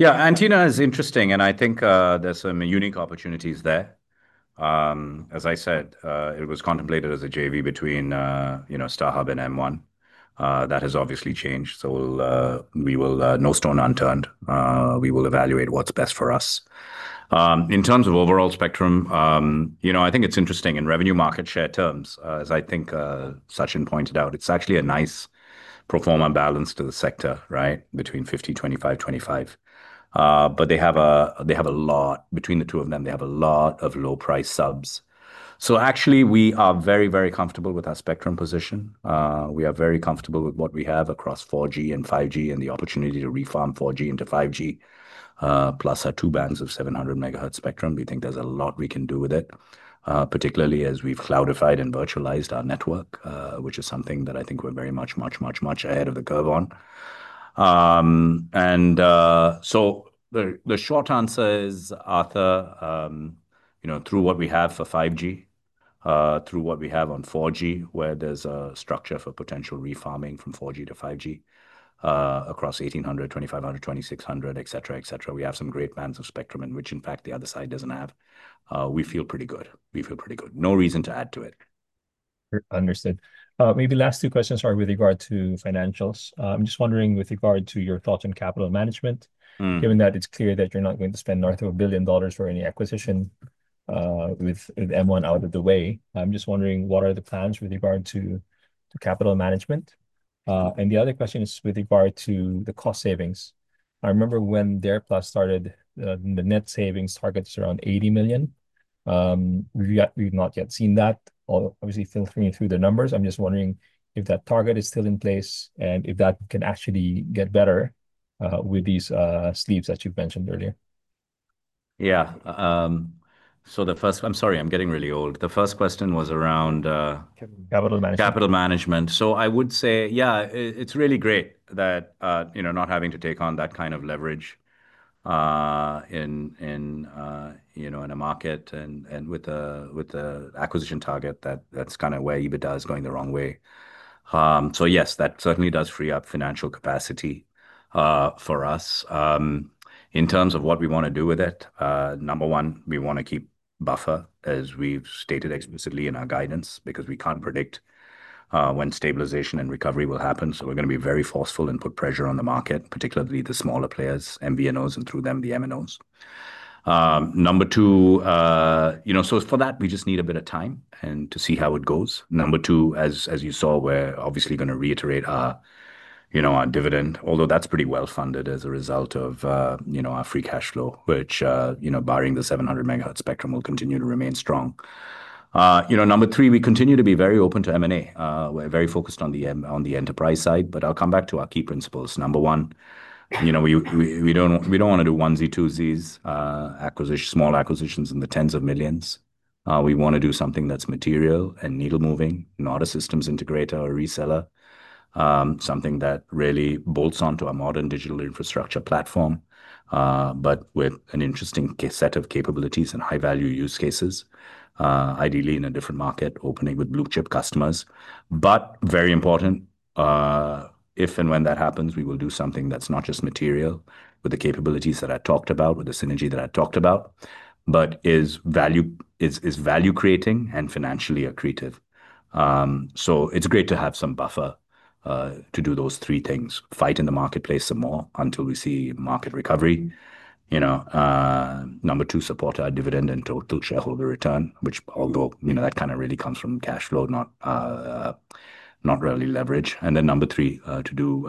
Yeah, Antenna is interesting and I think there's some unique opportunities there. As I said, it was contemplated as a JV between, you know, StarHub and M1. That has obviously changed. We will leave no stone unturned. We will evaluate what's best for us. In terms of overall spectrum, I think it's interesting in revenue market share terms, as I think Sachin pointed out, it's actually a nice pro forma balance to the sector, right, between 50%, 25%, 25%. They have a lot between the two of them. They have a lot of low-price subs. We are very, very comfortable with our spectrum position. We are very comfortable with what we have across 4G and 5G and the opportunity to reform 4G into 5G, plus our two bands of 700 MHz spectrum. We think there's a lot we can do with it, particularly as we've cloudified and virtualized our network, which is something that I think we're very much, much, much, much ahead of the curve on. The short answer is, Arthur, through what we have for 5G, through what we have on 4G, where there's a structure for potential reforming from 4G to 5G across 1800 MHz, 2500 MHz, 2600 MHz, etc., etc., we have some great bands of spectrum in which, in fact, the other side doesn't have. We feel pretty good. We feel pretty good. No reason to add to it. Understood. Maybe last two questions, sorry, with regard to financials. I'm just wondering with regard to your thoughts on capital management, given that it's clear that you're not going to spend north of $1 billion for any acquisition with M1 out of the way. I'm just wondering what are the plans with regard to the capital management? The other question is with regard to the cost savings. I remember when Dare+ started, the net savings target is around $80 million. We've not yet seen that. Obviously, filtering through the numbers, I'm just wondering if that target is still in place and if that can actually get better with these sleeves that you've mentioned earlier. Yeah. The first question was around capital management. I would say, yeah, it's really great that, you know, not having to take on that kind of leverage in a market and with the acquisition target that that's kind of where EBITDA is going the wrong way. Yes, that certainly does free up financial capacity for us. In terms of what we want to do with it, number one, we want to keep buffer, as we've stated explicitly in our guidance, because we can't predict when stabilization and recovery will happen. We're going to be very forceful and put pressure on the market, particularly the smaller players, MVNOs, and through them the MNOs. For that, we just need a bit of time and to see how it goes. Number two, as you saw, we're obviously going to reiterate our, you know, our dividend, although that's pretty well funded as a result of, you know, our free cash flow, which, barring the 700 MHz spectrum, will continue to remain strong. Number three, we continue to be very open to M&A. We're very focused on the enterprise side, but I'll come back to our key principles. Number one, we don't want to do onesie, twosies, small acquisitions in the tens of millions. We want to do something that's material and needle moving, not a systems integrator or reseller, something that really bolts onto our modern digital infrastructure platform, but with an interesting set of capabilities and high-value use cases, ideally in a different market, opening with blue-chip customers. Very important, if and when that happens, we will do something that's not just material with the capabilities that I talked about, with the synergy that I talked about, but is value-creating and financially accretive. It's great to have some buffer to do those three things, fight in the marketplace some more until we see market recovery, support our dividend and total shareholder return, which, although, you know, that kind of really comes from cash flow, not really leverage, and then to do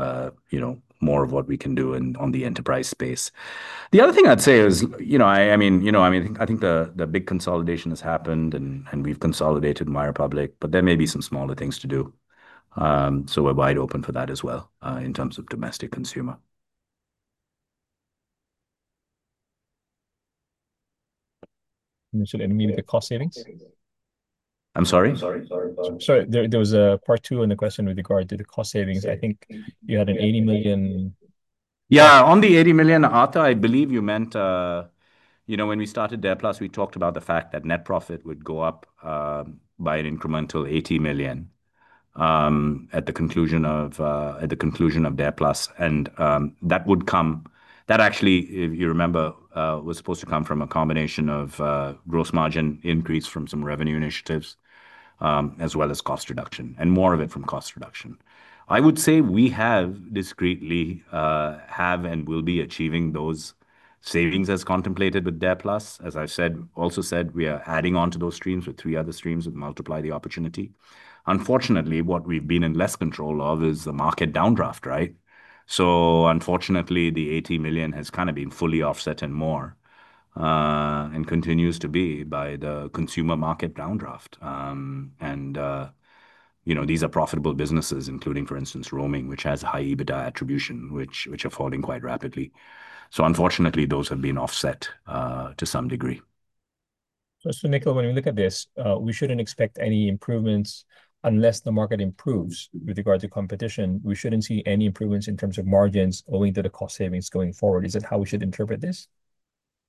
more of what we can do on the enterprise space. The other thing I'd say is, I think the big consolidation has happened and we've consolidated MyRepublic, but there may be some smaller things to do. We're wide open for that as well in terms of domestic consumer. Maybe the cost savings? I'm sorry? Sorry, there was a part two in the question with regard to the cost savings. I think you had an $80 million. Yeah, on the $80 million, Arthur, I believe you meant, you know, when we started Dare+, we talked about the fact that net profit would go up by an incremental $80 million at the conclusion of Dare+. That would come, that actually, if you remember, was supposed to come from a combination of gross margin increase from some revenue initiatives as well as cost reduction, and more of it from cost reduction. I would say we have discreetly and will be achieving those savings as contemplated with Dare+. As I've also said, we are adding onto those streams with three other streams that multiply the opportunity. Unfortunately, what we've been in less control of is the market down draft, right? Unfortunately, the $80 million has kind of been fully offset and more and continues to be by the consumer market down draft. You know, these are profitable businesses, including, for instance, roaming, which has high EBITDA attribution, which are falling quite rapidly. Unfortunately, those have been offset to some degree. Nikhil, when we look at this, we shouldn't expect any improvements unless the market improves with regard to competition. We shouldn't see any improvements in terms of margins owing to the cost savings going forward. Is it how we should interpret this?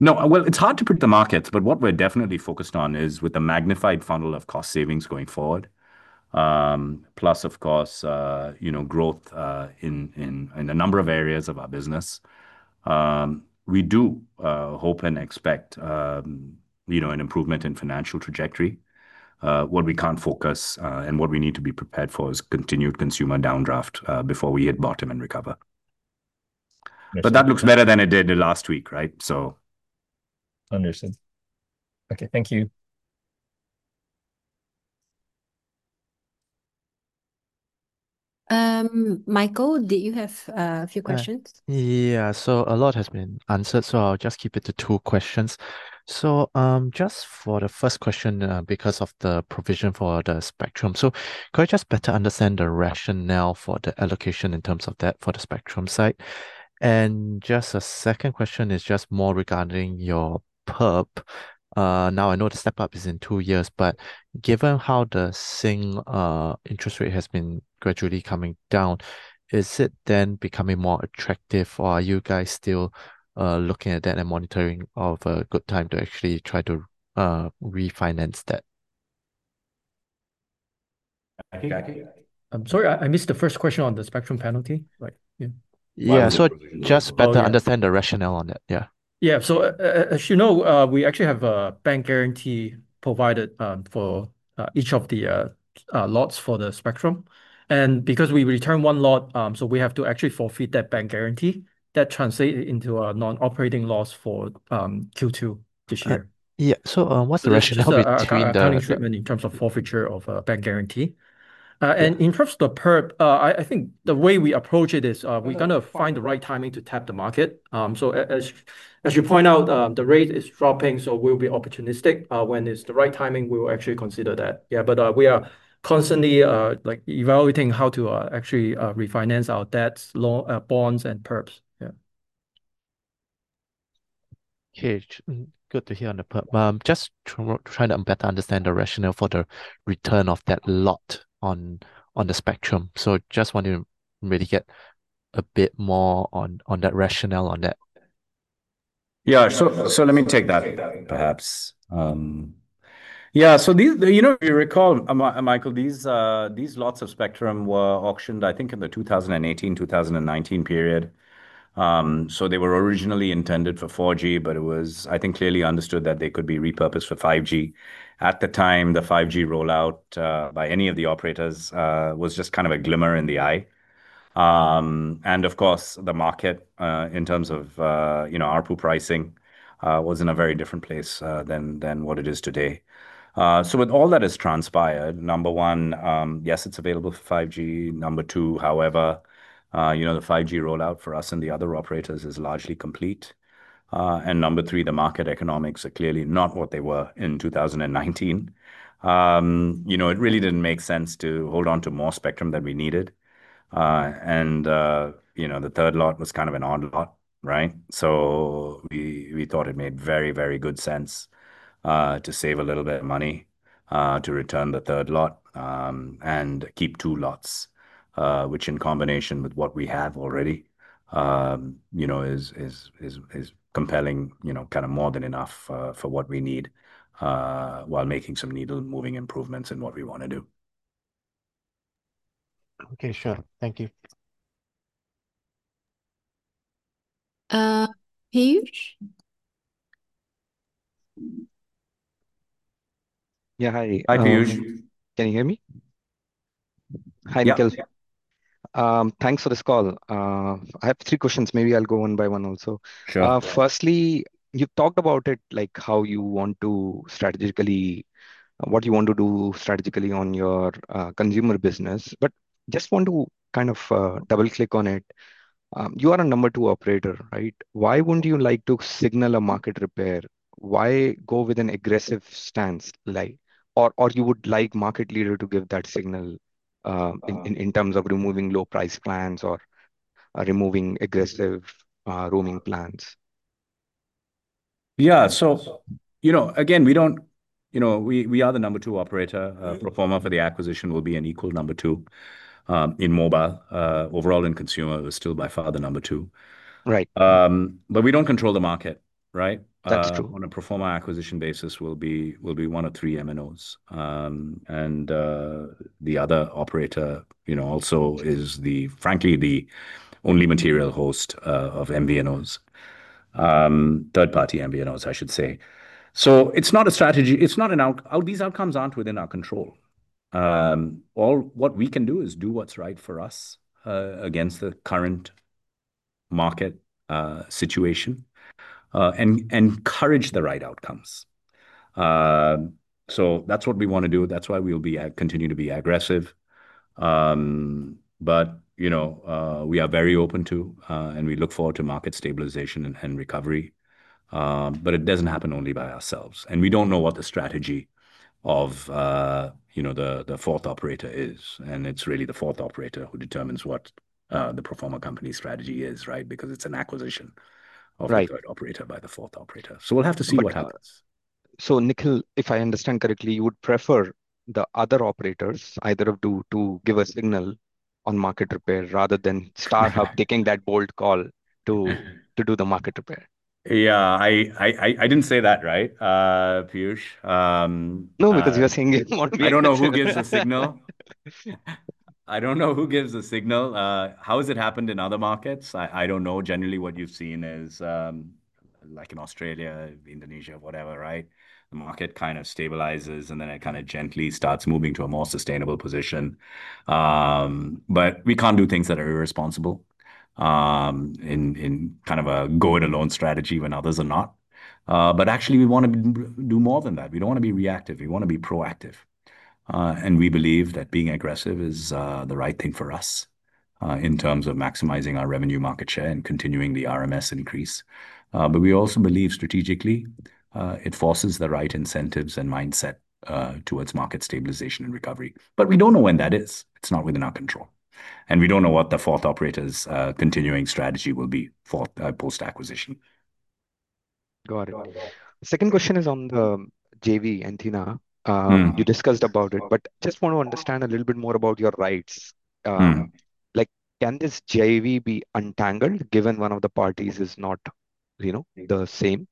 It's hard to predict the markets, but what we're definitely focused on is with a magnified funnel of cost savings going forward, plus, of course, growth in a number of areas of our business. We do hope and expect, you know, an improvement in financial trajectory. What we can't focus and what we need to be prepared for is continued consumer down draft before we hit bottom and recover. That looks better than it did last week, right? Understood. Okay, thank you. Michael, do you have a few questions? A lot has been answered. I'll just keep it to two questions. For the first question, because of the provision for the spectrum, could I just better understand the rationale for the allocation in terms of that for the spectrum side? The second question is more regarding your perp. I know the step-up is in two years, but given how the SING interest rate has been gradually coming down, is it then becoming more attractive or are you guys still looking at that and monitoring for a good time to actually try to refinance that? I'm sorry, I missed the first question on the spectrum penalty, right? Yeah. Just better understand the rationale on that. Yeah, as you know, we actually have a bank guarantee provided for each of the lots for the spectrum. Because we return one lot, we have to actually forfeit that bank guarantee. That translates into a non-operating loss for Q2 this year. Okay. Yeah, what the rationale is, I mean, the... Treatment in terms of forfeiture of a bank guarantee. In terms of the perp, I think the way we approach it is we're going to find the right timing to tap the market. As you point out, the rate is dropping, so we'll be opportunistic. When it's the right timing, we'll actually consider that. We are constantly evaluating how to actually refinance our debts, loans, bonds, and perps. Okay, good to hear on the perp. Just trying to better understand the rationale for the return of that lot on the spectrum. I just want to really get a bit more on that rationale on that. Yeah, let me take that. You recall, Michael, these lots of spectrum were auctioned, I think, in the 2018-2019 period. They were originally intended for 4G, but it was clearly understood that they could be repurposed for 5G. At the time, the 5G rollout by any of the operators was just kind of a glimmer in the eye. Of course, the market in terms of ARPU pricing was in a very different place than what it is today. With all that has transpired, number one, yes, it's available for 5G. Number two, however, the 5G rollout for us and the other operators is largely complete. Number three, the market economics are clearly not what they were in 2019. It really didn't make sense to hold on to more spectrum than we needed. The third lot was kind of an odd lot, right? We thought it made very, very good sense to save a little bit of money to return the third lot and keep two lots, which in combination with what we have already is compelling, kind of more than enough for what we need while making some needle-moving improvements in what we want to do. Okay, sure. Thank you. Piyush? Hi, Piyush. Can you hear me? Hi, Nikhil. Thanks for this call. I have three questions. Maybe I'll go one by one also. Firstly, you talked about it, like how you want to strategically, what you want to do strategically on your consumer business, but just want to kind of double-click on it. You are a number two operator, right? Why wouldn't you like to signal a market repair? Why go with an aggressive stance? Or you would like market leaders to give that signal in terms of removing low-price plans or removing aggressive roaming plans? Yeah, we are the number two operator. Pro forma for the acquisition, we will be an equal number two in mobile. Overall, in consumer, we're still by far the number two. We don't control the market, that's true. On a pro forma acquisition basis, we'll be one of three MNOs. The other operator is, frankly, the only material host of MVNOs, third-party MVNOs, I should say. It's not a strategy. It's not an outcome. These outcomes aren't within our control. All we can do is do what's right for us against the current market situation and encourage the right outcomes. That's what we want to do. That's why we'll continue to be aggressive. We are very open to and we look forward to market stabilization and recovery. It doesn't happen only by ourselves. We don't know what the strategy of the fourth operator is. It's really the fourth operator who determines what the pro forma company's strategy is, because it's an acquisition of the third operator by the fourth operator. We'll have to see what happens. Nikhil, if I understand correctly, you would prefer the other operators either to give a signal on market repair rather than StarHub taking that bold call to do the market repair. Yeah, I didn't say that, right, Piyush? No, because you're saying it. You don't know who gives the signal. I don't know who gives the signal. How has it happened in other markets? I don't know. Generally, what you've seen is like in Australia, Indonesia, whatever, right? The market kind of stabilizes, and then it kind of gently starts moving to a more sustainable position. We can't do things that are irresponsible in kind of a go it alone strategy when others are not. Actually, we want to do more than that. We don't want to be reactive. We want to be proactive, and we believe that being aggressive is the right thing for us in terms of maximizing our revenue market share and continuing the RMS increase. We also believe strategically it forces the right incentives and mindset towards market stabilization and recovery. We don't know when that is. It's not within our control, and we don't know what the fourth operator's continuing strategy will be post-acquisition. Got it. The second question is on the JV, Antenna. You discussed it, but I just want to understand a little bit more about your rights. Can this JV be untangled given one of the parties is not the same?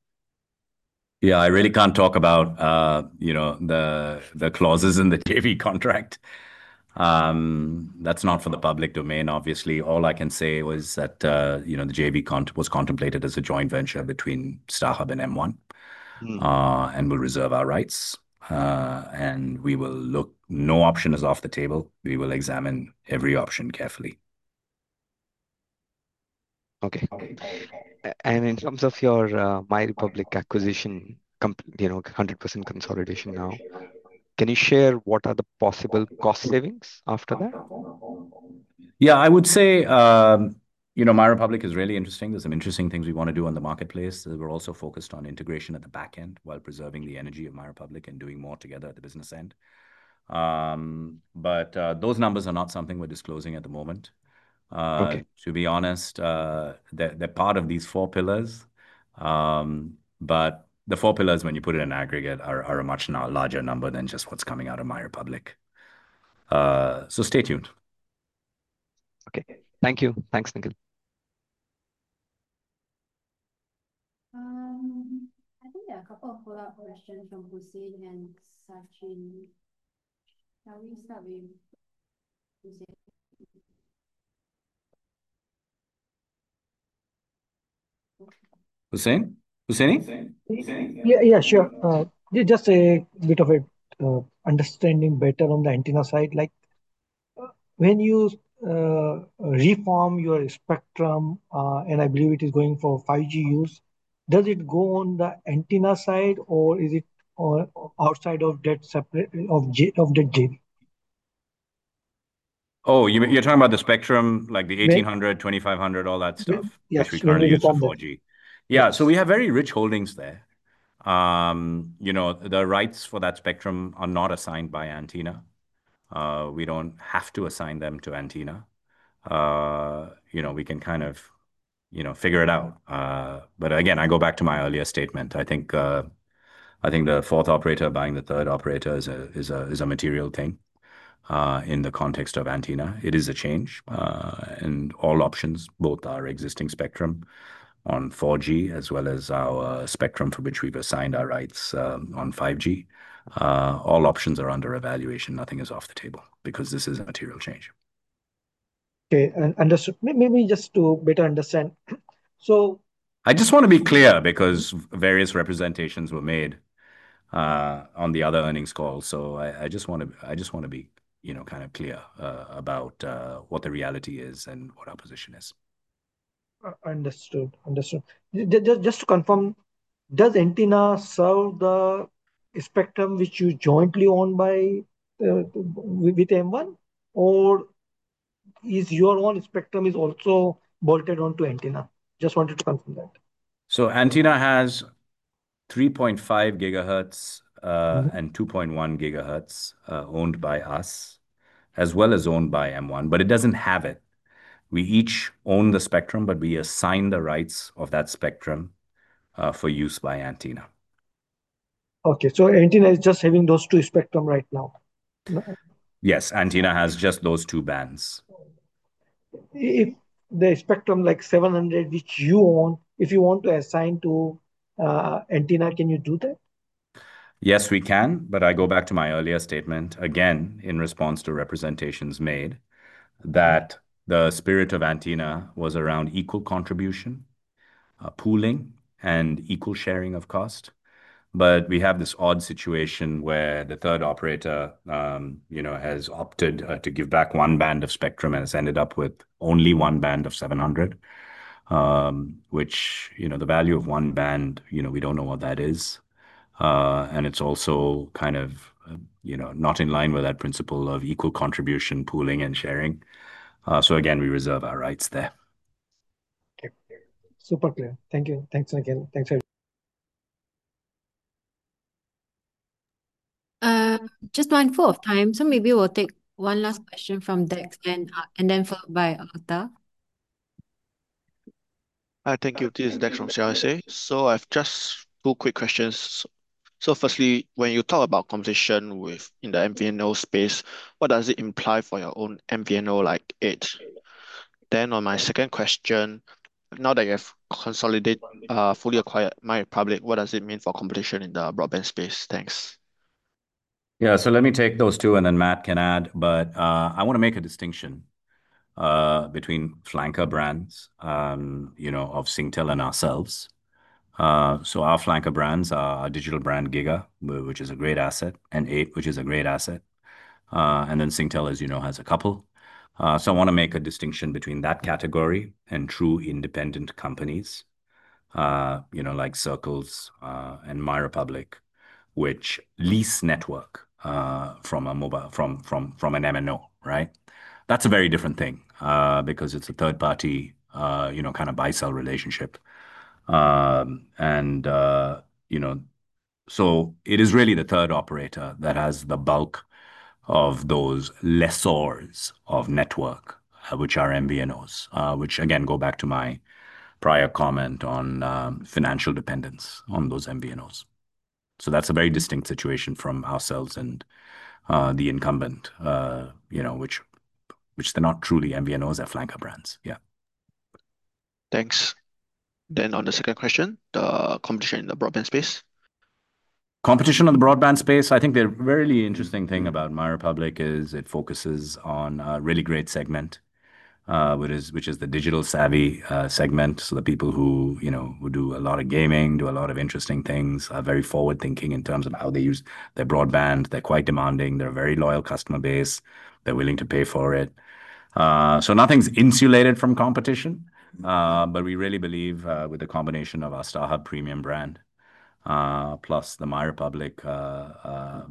Yeah, I really can't talk about the clauses in the JV contract. That's not for the public domain, obviously. All I can say was that the JV was contemplated as a joint venture between StarHub Ltd and M1 and will reserve our rights. We will look, no option is off the table. We will examine every option carefully. Okay. In terms of your MyRepublic acquisition, you know, 100% consolidation now, can you share what are the possible cost savings after that? Yeah, I would say, you know, MyRepublic is really interesting. There are some interesting things we want to do on the marketplace. We're also focused on integration at the back end while preserving the energy of MyRepublic and doing more together at the business end. Those numbers are not something we're disclosing at the moment. To be honest, they're part of these four pillars. The four pillars, when you put it in aggregate, are a much larger number than just what's coming out of MyRepublic. Stay tuned. Okay, thank you. Thanks, Nikhil. I think there are a couple of pull-out questions from Hussain and Sachin. Shall we start with Hussain? Hussain? Yeah, sure. Just a bit of an understanding better on the antenna side. When you reform your spectrum, and I believe it is going for 5G use, does it go on the antenna side or is it outside of that grid? Oh, you're talking about the spectrum, like the 1800 MHz, 2500 MHz, all that stuff? Yes, we're talking about 4G. Yeah, we have very rich holdings there. The rights for that spectrum are not assigned by Antenna. We don't have to assign them to Antenna. We can kind of figure it out. I go back to my earlier statement. I think the fourth operator buying the third operator is a material thing in the context of Antenna. It is a change. All options, both our existing spectrum on 4G as well as our spectrum for which we've assigned our rights on 5G, all options are under evaluation. Nothing is off the table because this is a material change. Okay, understood. Maybe just to better understand. I just want to be clear because various representations were made on the other earnings calls. I just want to be clear about what the reality is and what our position is. Understood. Just to confirm, does Antenna serve the spectrum which you jointly own with M1, or is your own spectrum also bolted onto Antenna? Just wanted to confirm that. Antenna has 3.5 GHz and 2.1 GHz owned by us as well as owned by M1, but it doesn't have it. We each own the spectrum, but we assign the rights of that spectrum for use by Antenna. Okay, so Antenna is just having those two spectrums right now? Yes, antenna has just those two bands. If the spectrum like 700 MHz which you own, if you want to assign to Antenna, can you do that? Yes, we can, but I go back to my earlier statement. Again, in response to representations made that the spirit of Antenna was around equal contribution, pooling, and equal sharing of cost. But We have this odd situation where the third operator, you know, has opted to give back one band of spectrum and has ended up with only one band of 700 MHz, which, you know, the value of one band, you know, we don't know what that is. It's also kind of, you know, not in line with that principle of equal contribution, pooling and sharing. We reserve our rights there. Okay, super clear. Thank you. Thanks again. Just mindful of time, so maybe we'll take one last question from Dex, and then followed by Arthur. Thank you. This is Dex from CSI. I have just two quick questions. Firstly, when you talk about competition in the MVNO space, what does it imply for your own MVNO like it? On my second question, now that you have consolidated, fully acquired MyRepublic, what does it mean for competition in the broadband space? Thanks. Let me take those two and then Matt can add, but I want to make a distinction between flanker brands, you know, of Singtel and ourselves. Our flanker brands are a digital brand Giga, which is a great asset, and Eight, which is a great asset. Singtel, as you know, has a couple. I want to make a distinction between that category and true independent companies, you know, like Circles and MyRepublic, which lease network from an MNO, right? That's a very different thing because it's a third-party, you know, kind of buy-sell relationship. It is really the third operator that has the bulk of those lessors of network, which are MVNOs, which again go back to my prior comment on financial dependence on those MVNOs. That's a very distinct situation from ourselves and the incumbent, you know, which they're not truly MVNOs, they're flanker brands. Thanks. On the second question, the competition in the broadband space. Competition in the broadband space, I think the really interesting thing about MyRepublic is it focuses on a really great segment, which is the digital savvy segment. The people who do a lot of gaming, do a lot of interesting things, are very forward-thinking in terms of how they use their broadband. They're quite demanding. They're a very loyal customer base. They're willing to pay for it. Nothing's insulated from competition. We really believe with the combination of our StarHub premium brand plus the MyRepublic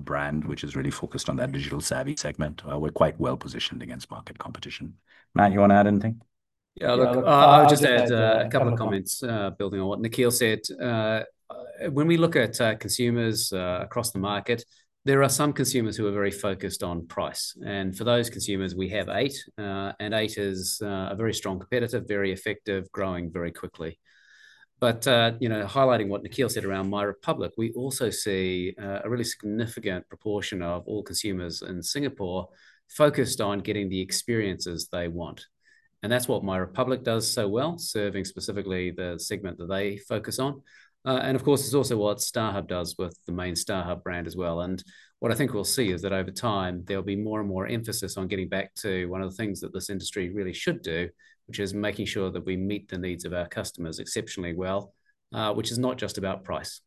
brand, which is really focused on that digital savvy segment, we're quite well positioned against market competition. Matt, you want to add anything? Yeah, I'll just add a couple of comments building on what Nikhil said. When we look at consumers across the market, there are some consumers who are very focused on price. For those consumers, we have Eight. Eight is a very strong competitor, very effective, growing very quickly. Highlighting what Nikhil said around MyRepublic, we also see a really significant proportion of all consumers in Singapore focused on getting the experiences they want. That's what MyRepublic does so well, serving specifically the segment that they focus on. Of course, it's also what StarHub does with the main StarHub brand as well. What I think we'll see is that over time, there'll be more and more emphasis on getting back to one of the things that this industry really should do, which is making sure that we meet the needs of our customers exceptionally well, which is not just about price.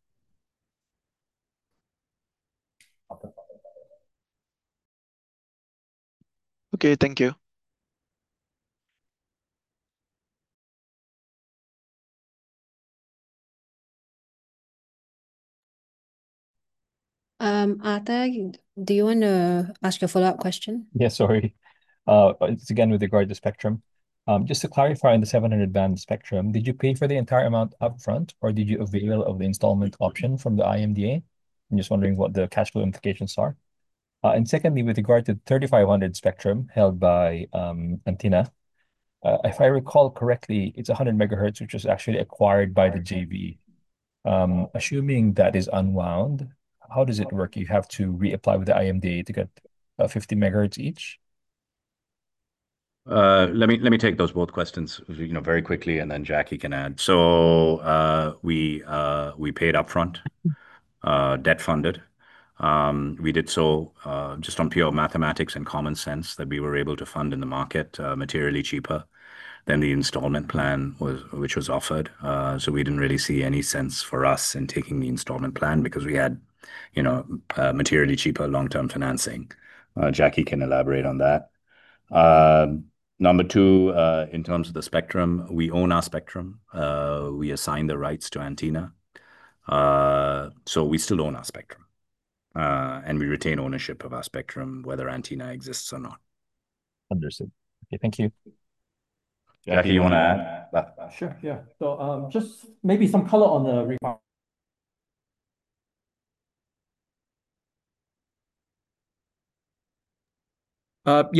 Okay, thank you. Arthur, do you want to ask a follow-up question? Yes, sorry. It's again with regard to the spectrum. Just to clarify, in the 700 MHz band spectrum, did you pay for the entire amount upfront or did you avail of the installment option from the IMDA? I'm just wondering what the cash flow implications are. Secondly, with regard to the 3500 MHz spectrum held by Antenna, if I recall correctly, it's 100 megahertz, which was actually acquired by the JB. Assuming that is unwound, how does it work? You have to reapply with the IMDA to get 50 megahertz each? Let me take those both questions very quickly, and then Jacky can add. We paid upfront, debt funded. We did so just on pure mathematics and common sense that we were able to fund in the market materially cheaper than the installment plan which was offered. We didn't really see any sense for us in taking the installment plan because we had materially cheaper long-term financing. Jacky can elaborate on that. Number two, in terms of the spectrum, we own our spectrum. We assign the rights to Antenna. We still own our spectrum, and we retain ownership of our spectrum, whether Antenna exists or not. Understood. Okay, thank you. Jacky, you want to add? Sure, yeah. Just maybe some color on the refinancing.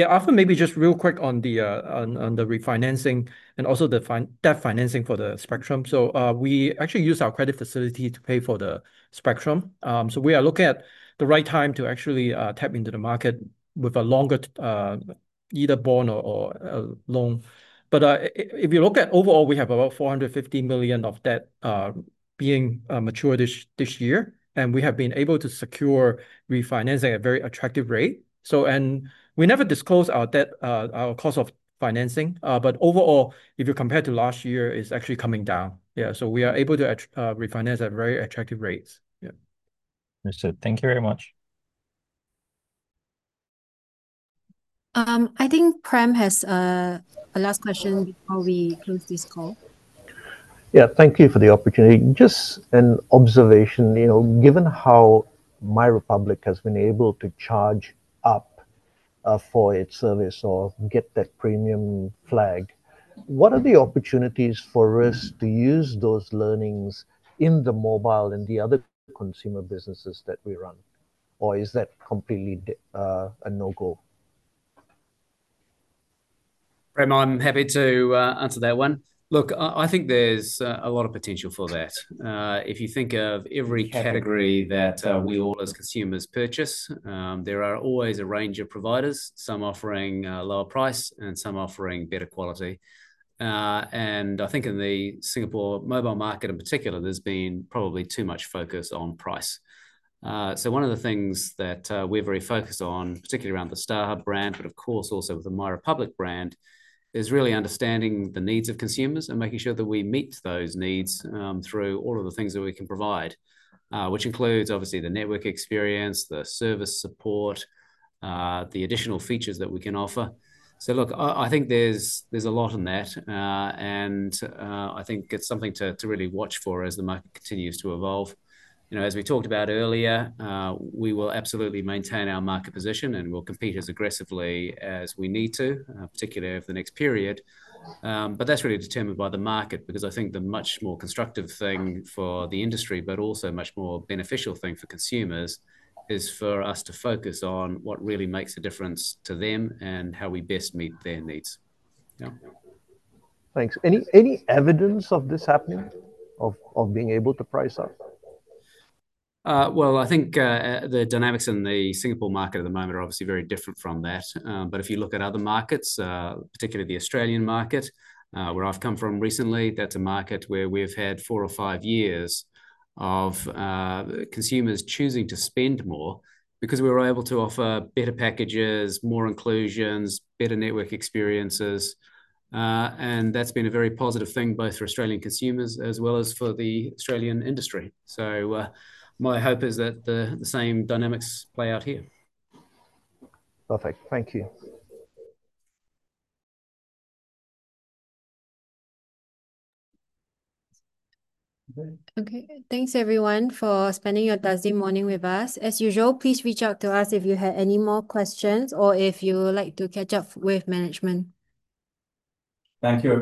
After, maybe just real quick on the refinancing and also the debt financing for the spectrum. We actually use our credit facility to pay for the spectrum. We are looking at the right time to actually tap into the market with a longer either bond or a loan. If you look at overall, we have about $450 million of debt being matured this year. We have been able to secure refinancing at a very attractive rate. We never disclose our debt, our cost of financing. Overall, if you compare to last year, it's actually coming down. We are able to refinance at very attractive rates. Understood. Thank you very much. I think Prem has a last question before we close this call. Thank you for the opportunity. Just an observation, you know, given how MyRepublic has been able to charge up for its service or get that premium flag, what are the opportunities for us to use those learnings in the mobile and the other consumer businesses that we run? Is that completely a no-go? I'm happy to answer that one. Look, I think there's a lot of potential for that. If you think of every category that we all as consumers purchase, there are always a range of providers, some offering a lower price and some offering better quality. I think in the Singapore mobile market in particular, there's been probably too much focus on price. One of the things that we're very focused on, particularly around the StarHub brand, but of course also with the MyRepublic brand, is really understanding the needs of consumers and making sure that we meet those needs through all of the things that we can provide, which includes obviously the network experience, the service support, the additional features that we can offer. I think there's a lot in that, and I think it's something to really watch for as the market continues to evolve. As we talked about earlier, we will absolutely maintain our market position and we'll compete as aggressively as we need to, particularly over the next period. That's really determined by the market because I think the much more constructive thing for the industry, but also much more beneficial thing for consumers, is for us to focus on what really makes a difference to them and how we best meet their needs. Thanks. Any evidence of this happening, of being able to price up? I think the dynamics in the Singapore market at the moment are obviously very different from that. If you look at other markets, particularly the Australian market, where I've come from recently, that's a market where we've had four or five years of consumers choosing to spend more because we were able to offer better packages, more inclusions, better network experiences. That's been a very positive thing both for Australian consumers as well as for the Australian industry. My hope is that the same dynamics play out here. Perfect. Thank you. Okay, thanks everyone for spending your Thursday morning with us. As usual, please reach out to us if you had any more questions or if you would like to catch up with management. Thank you.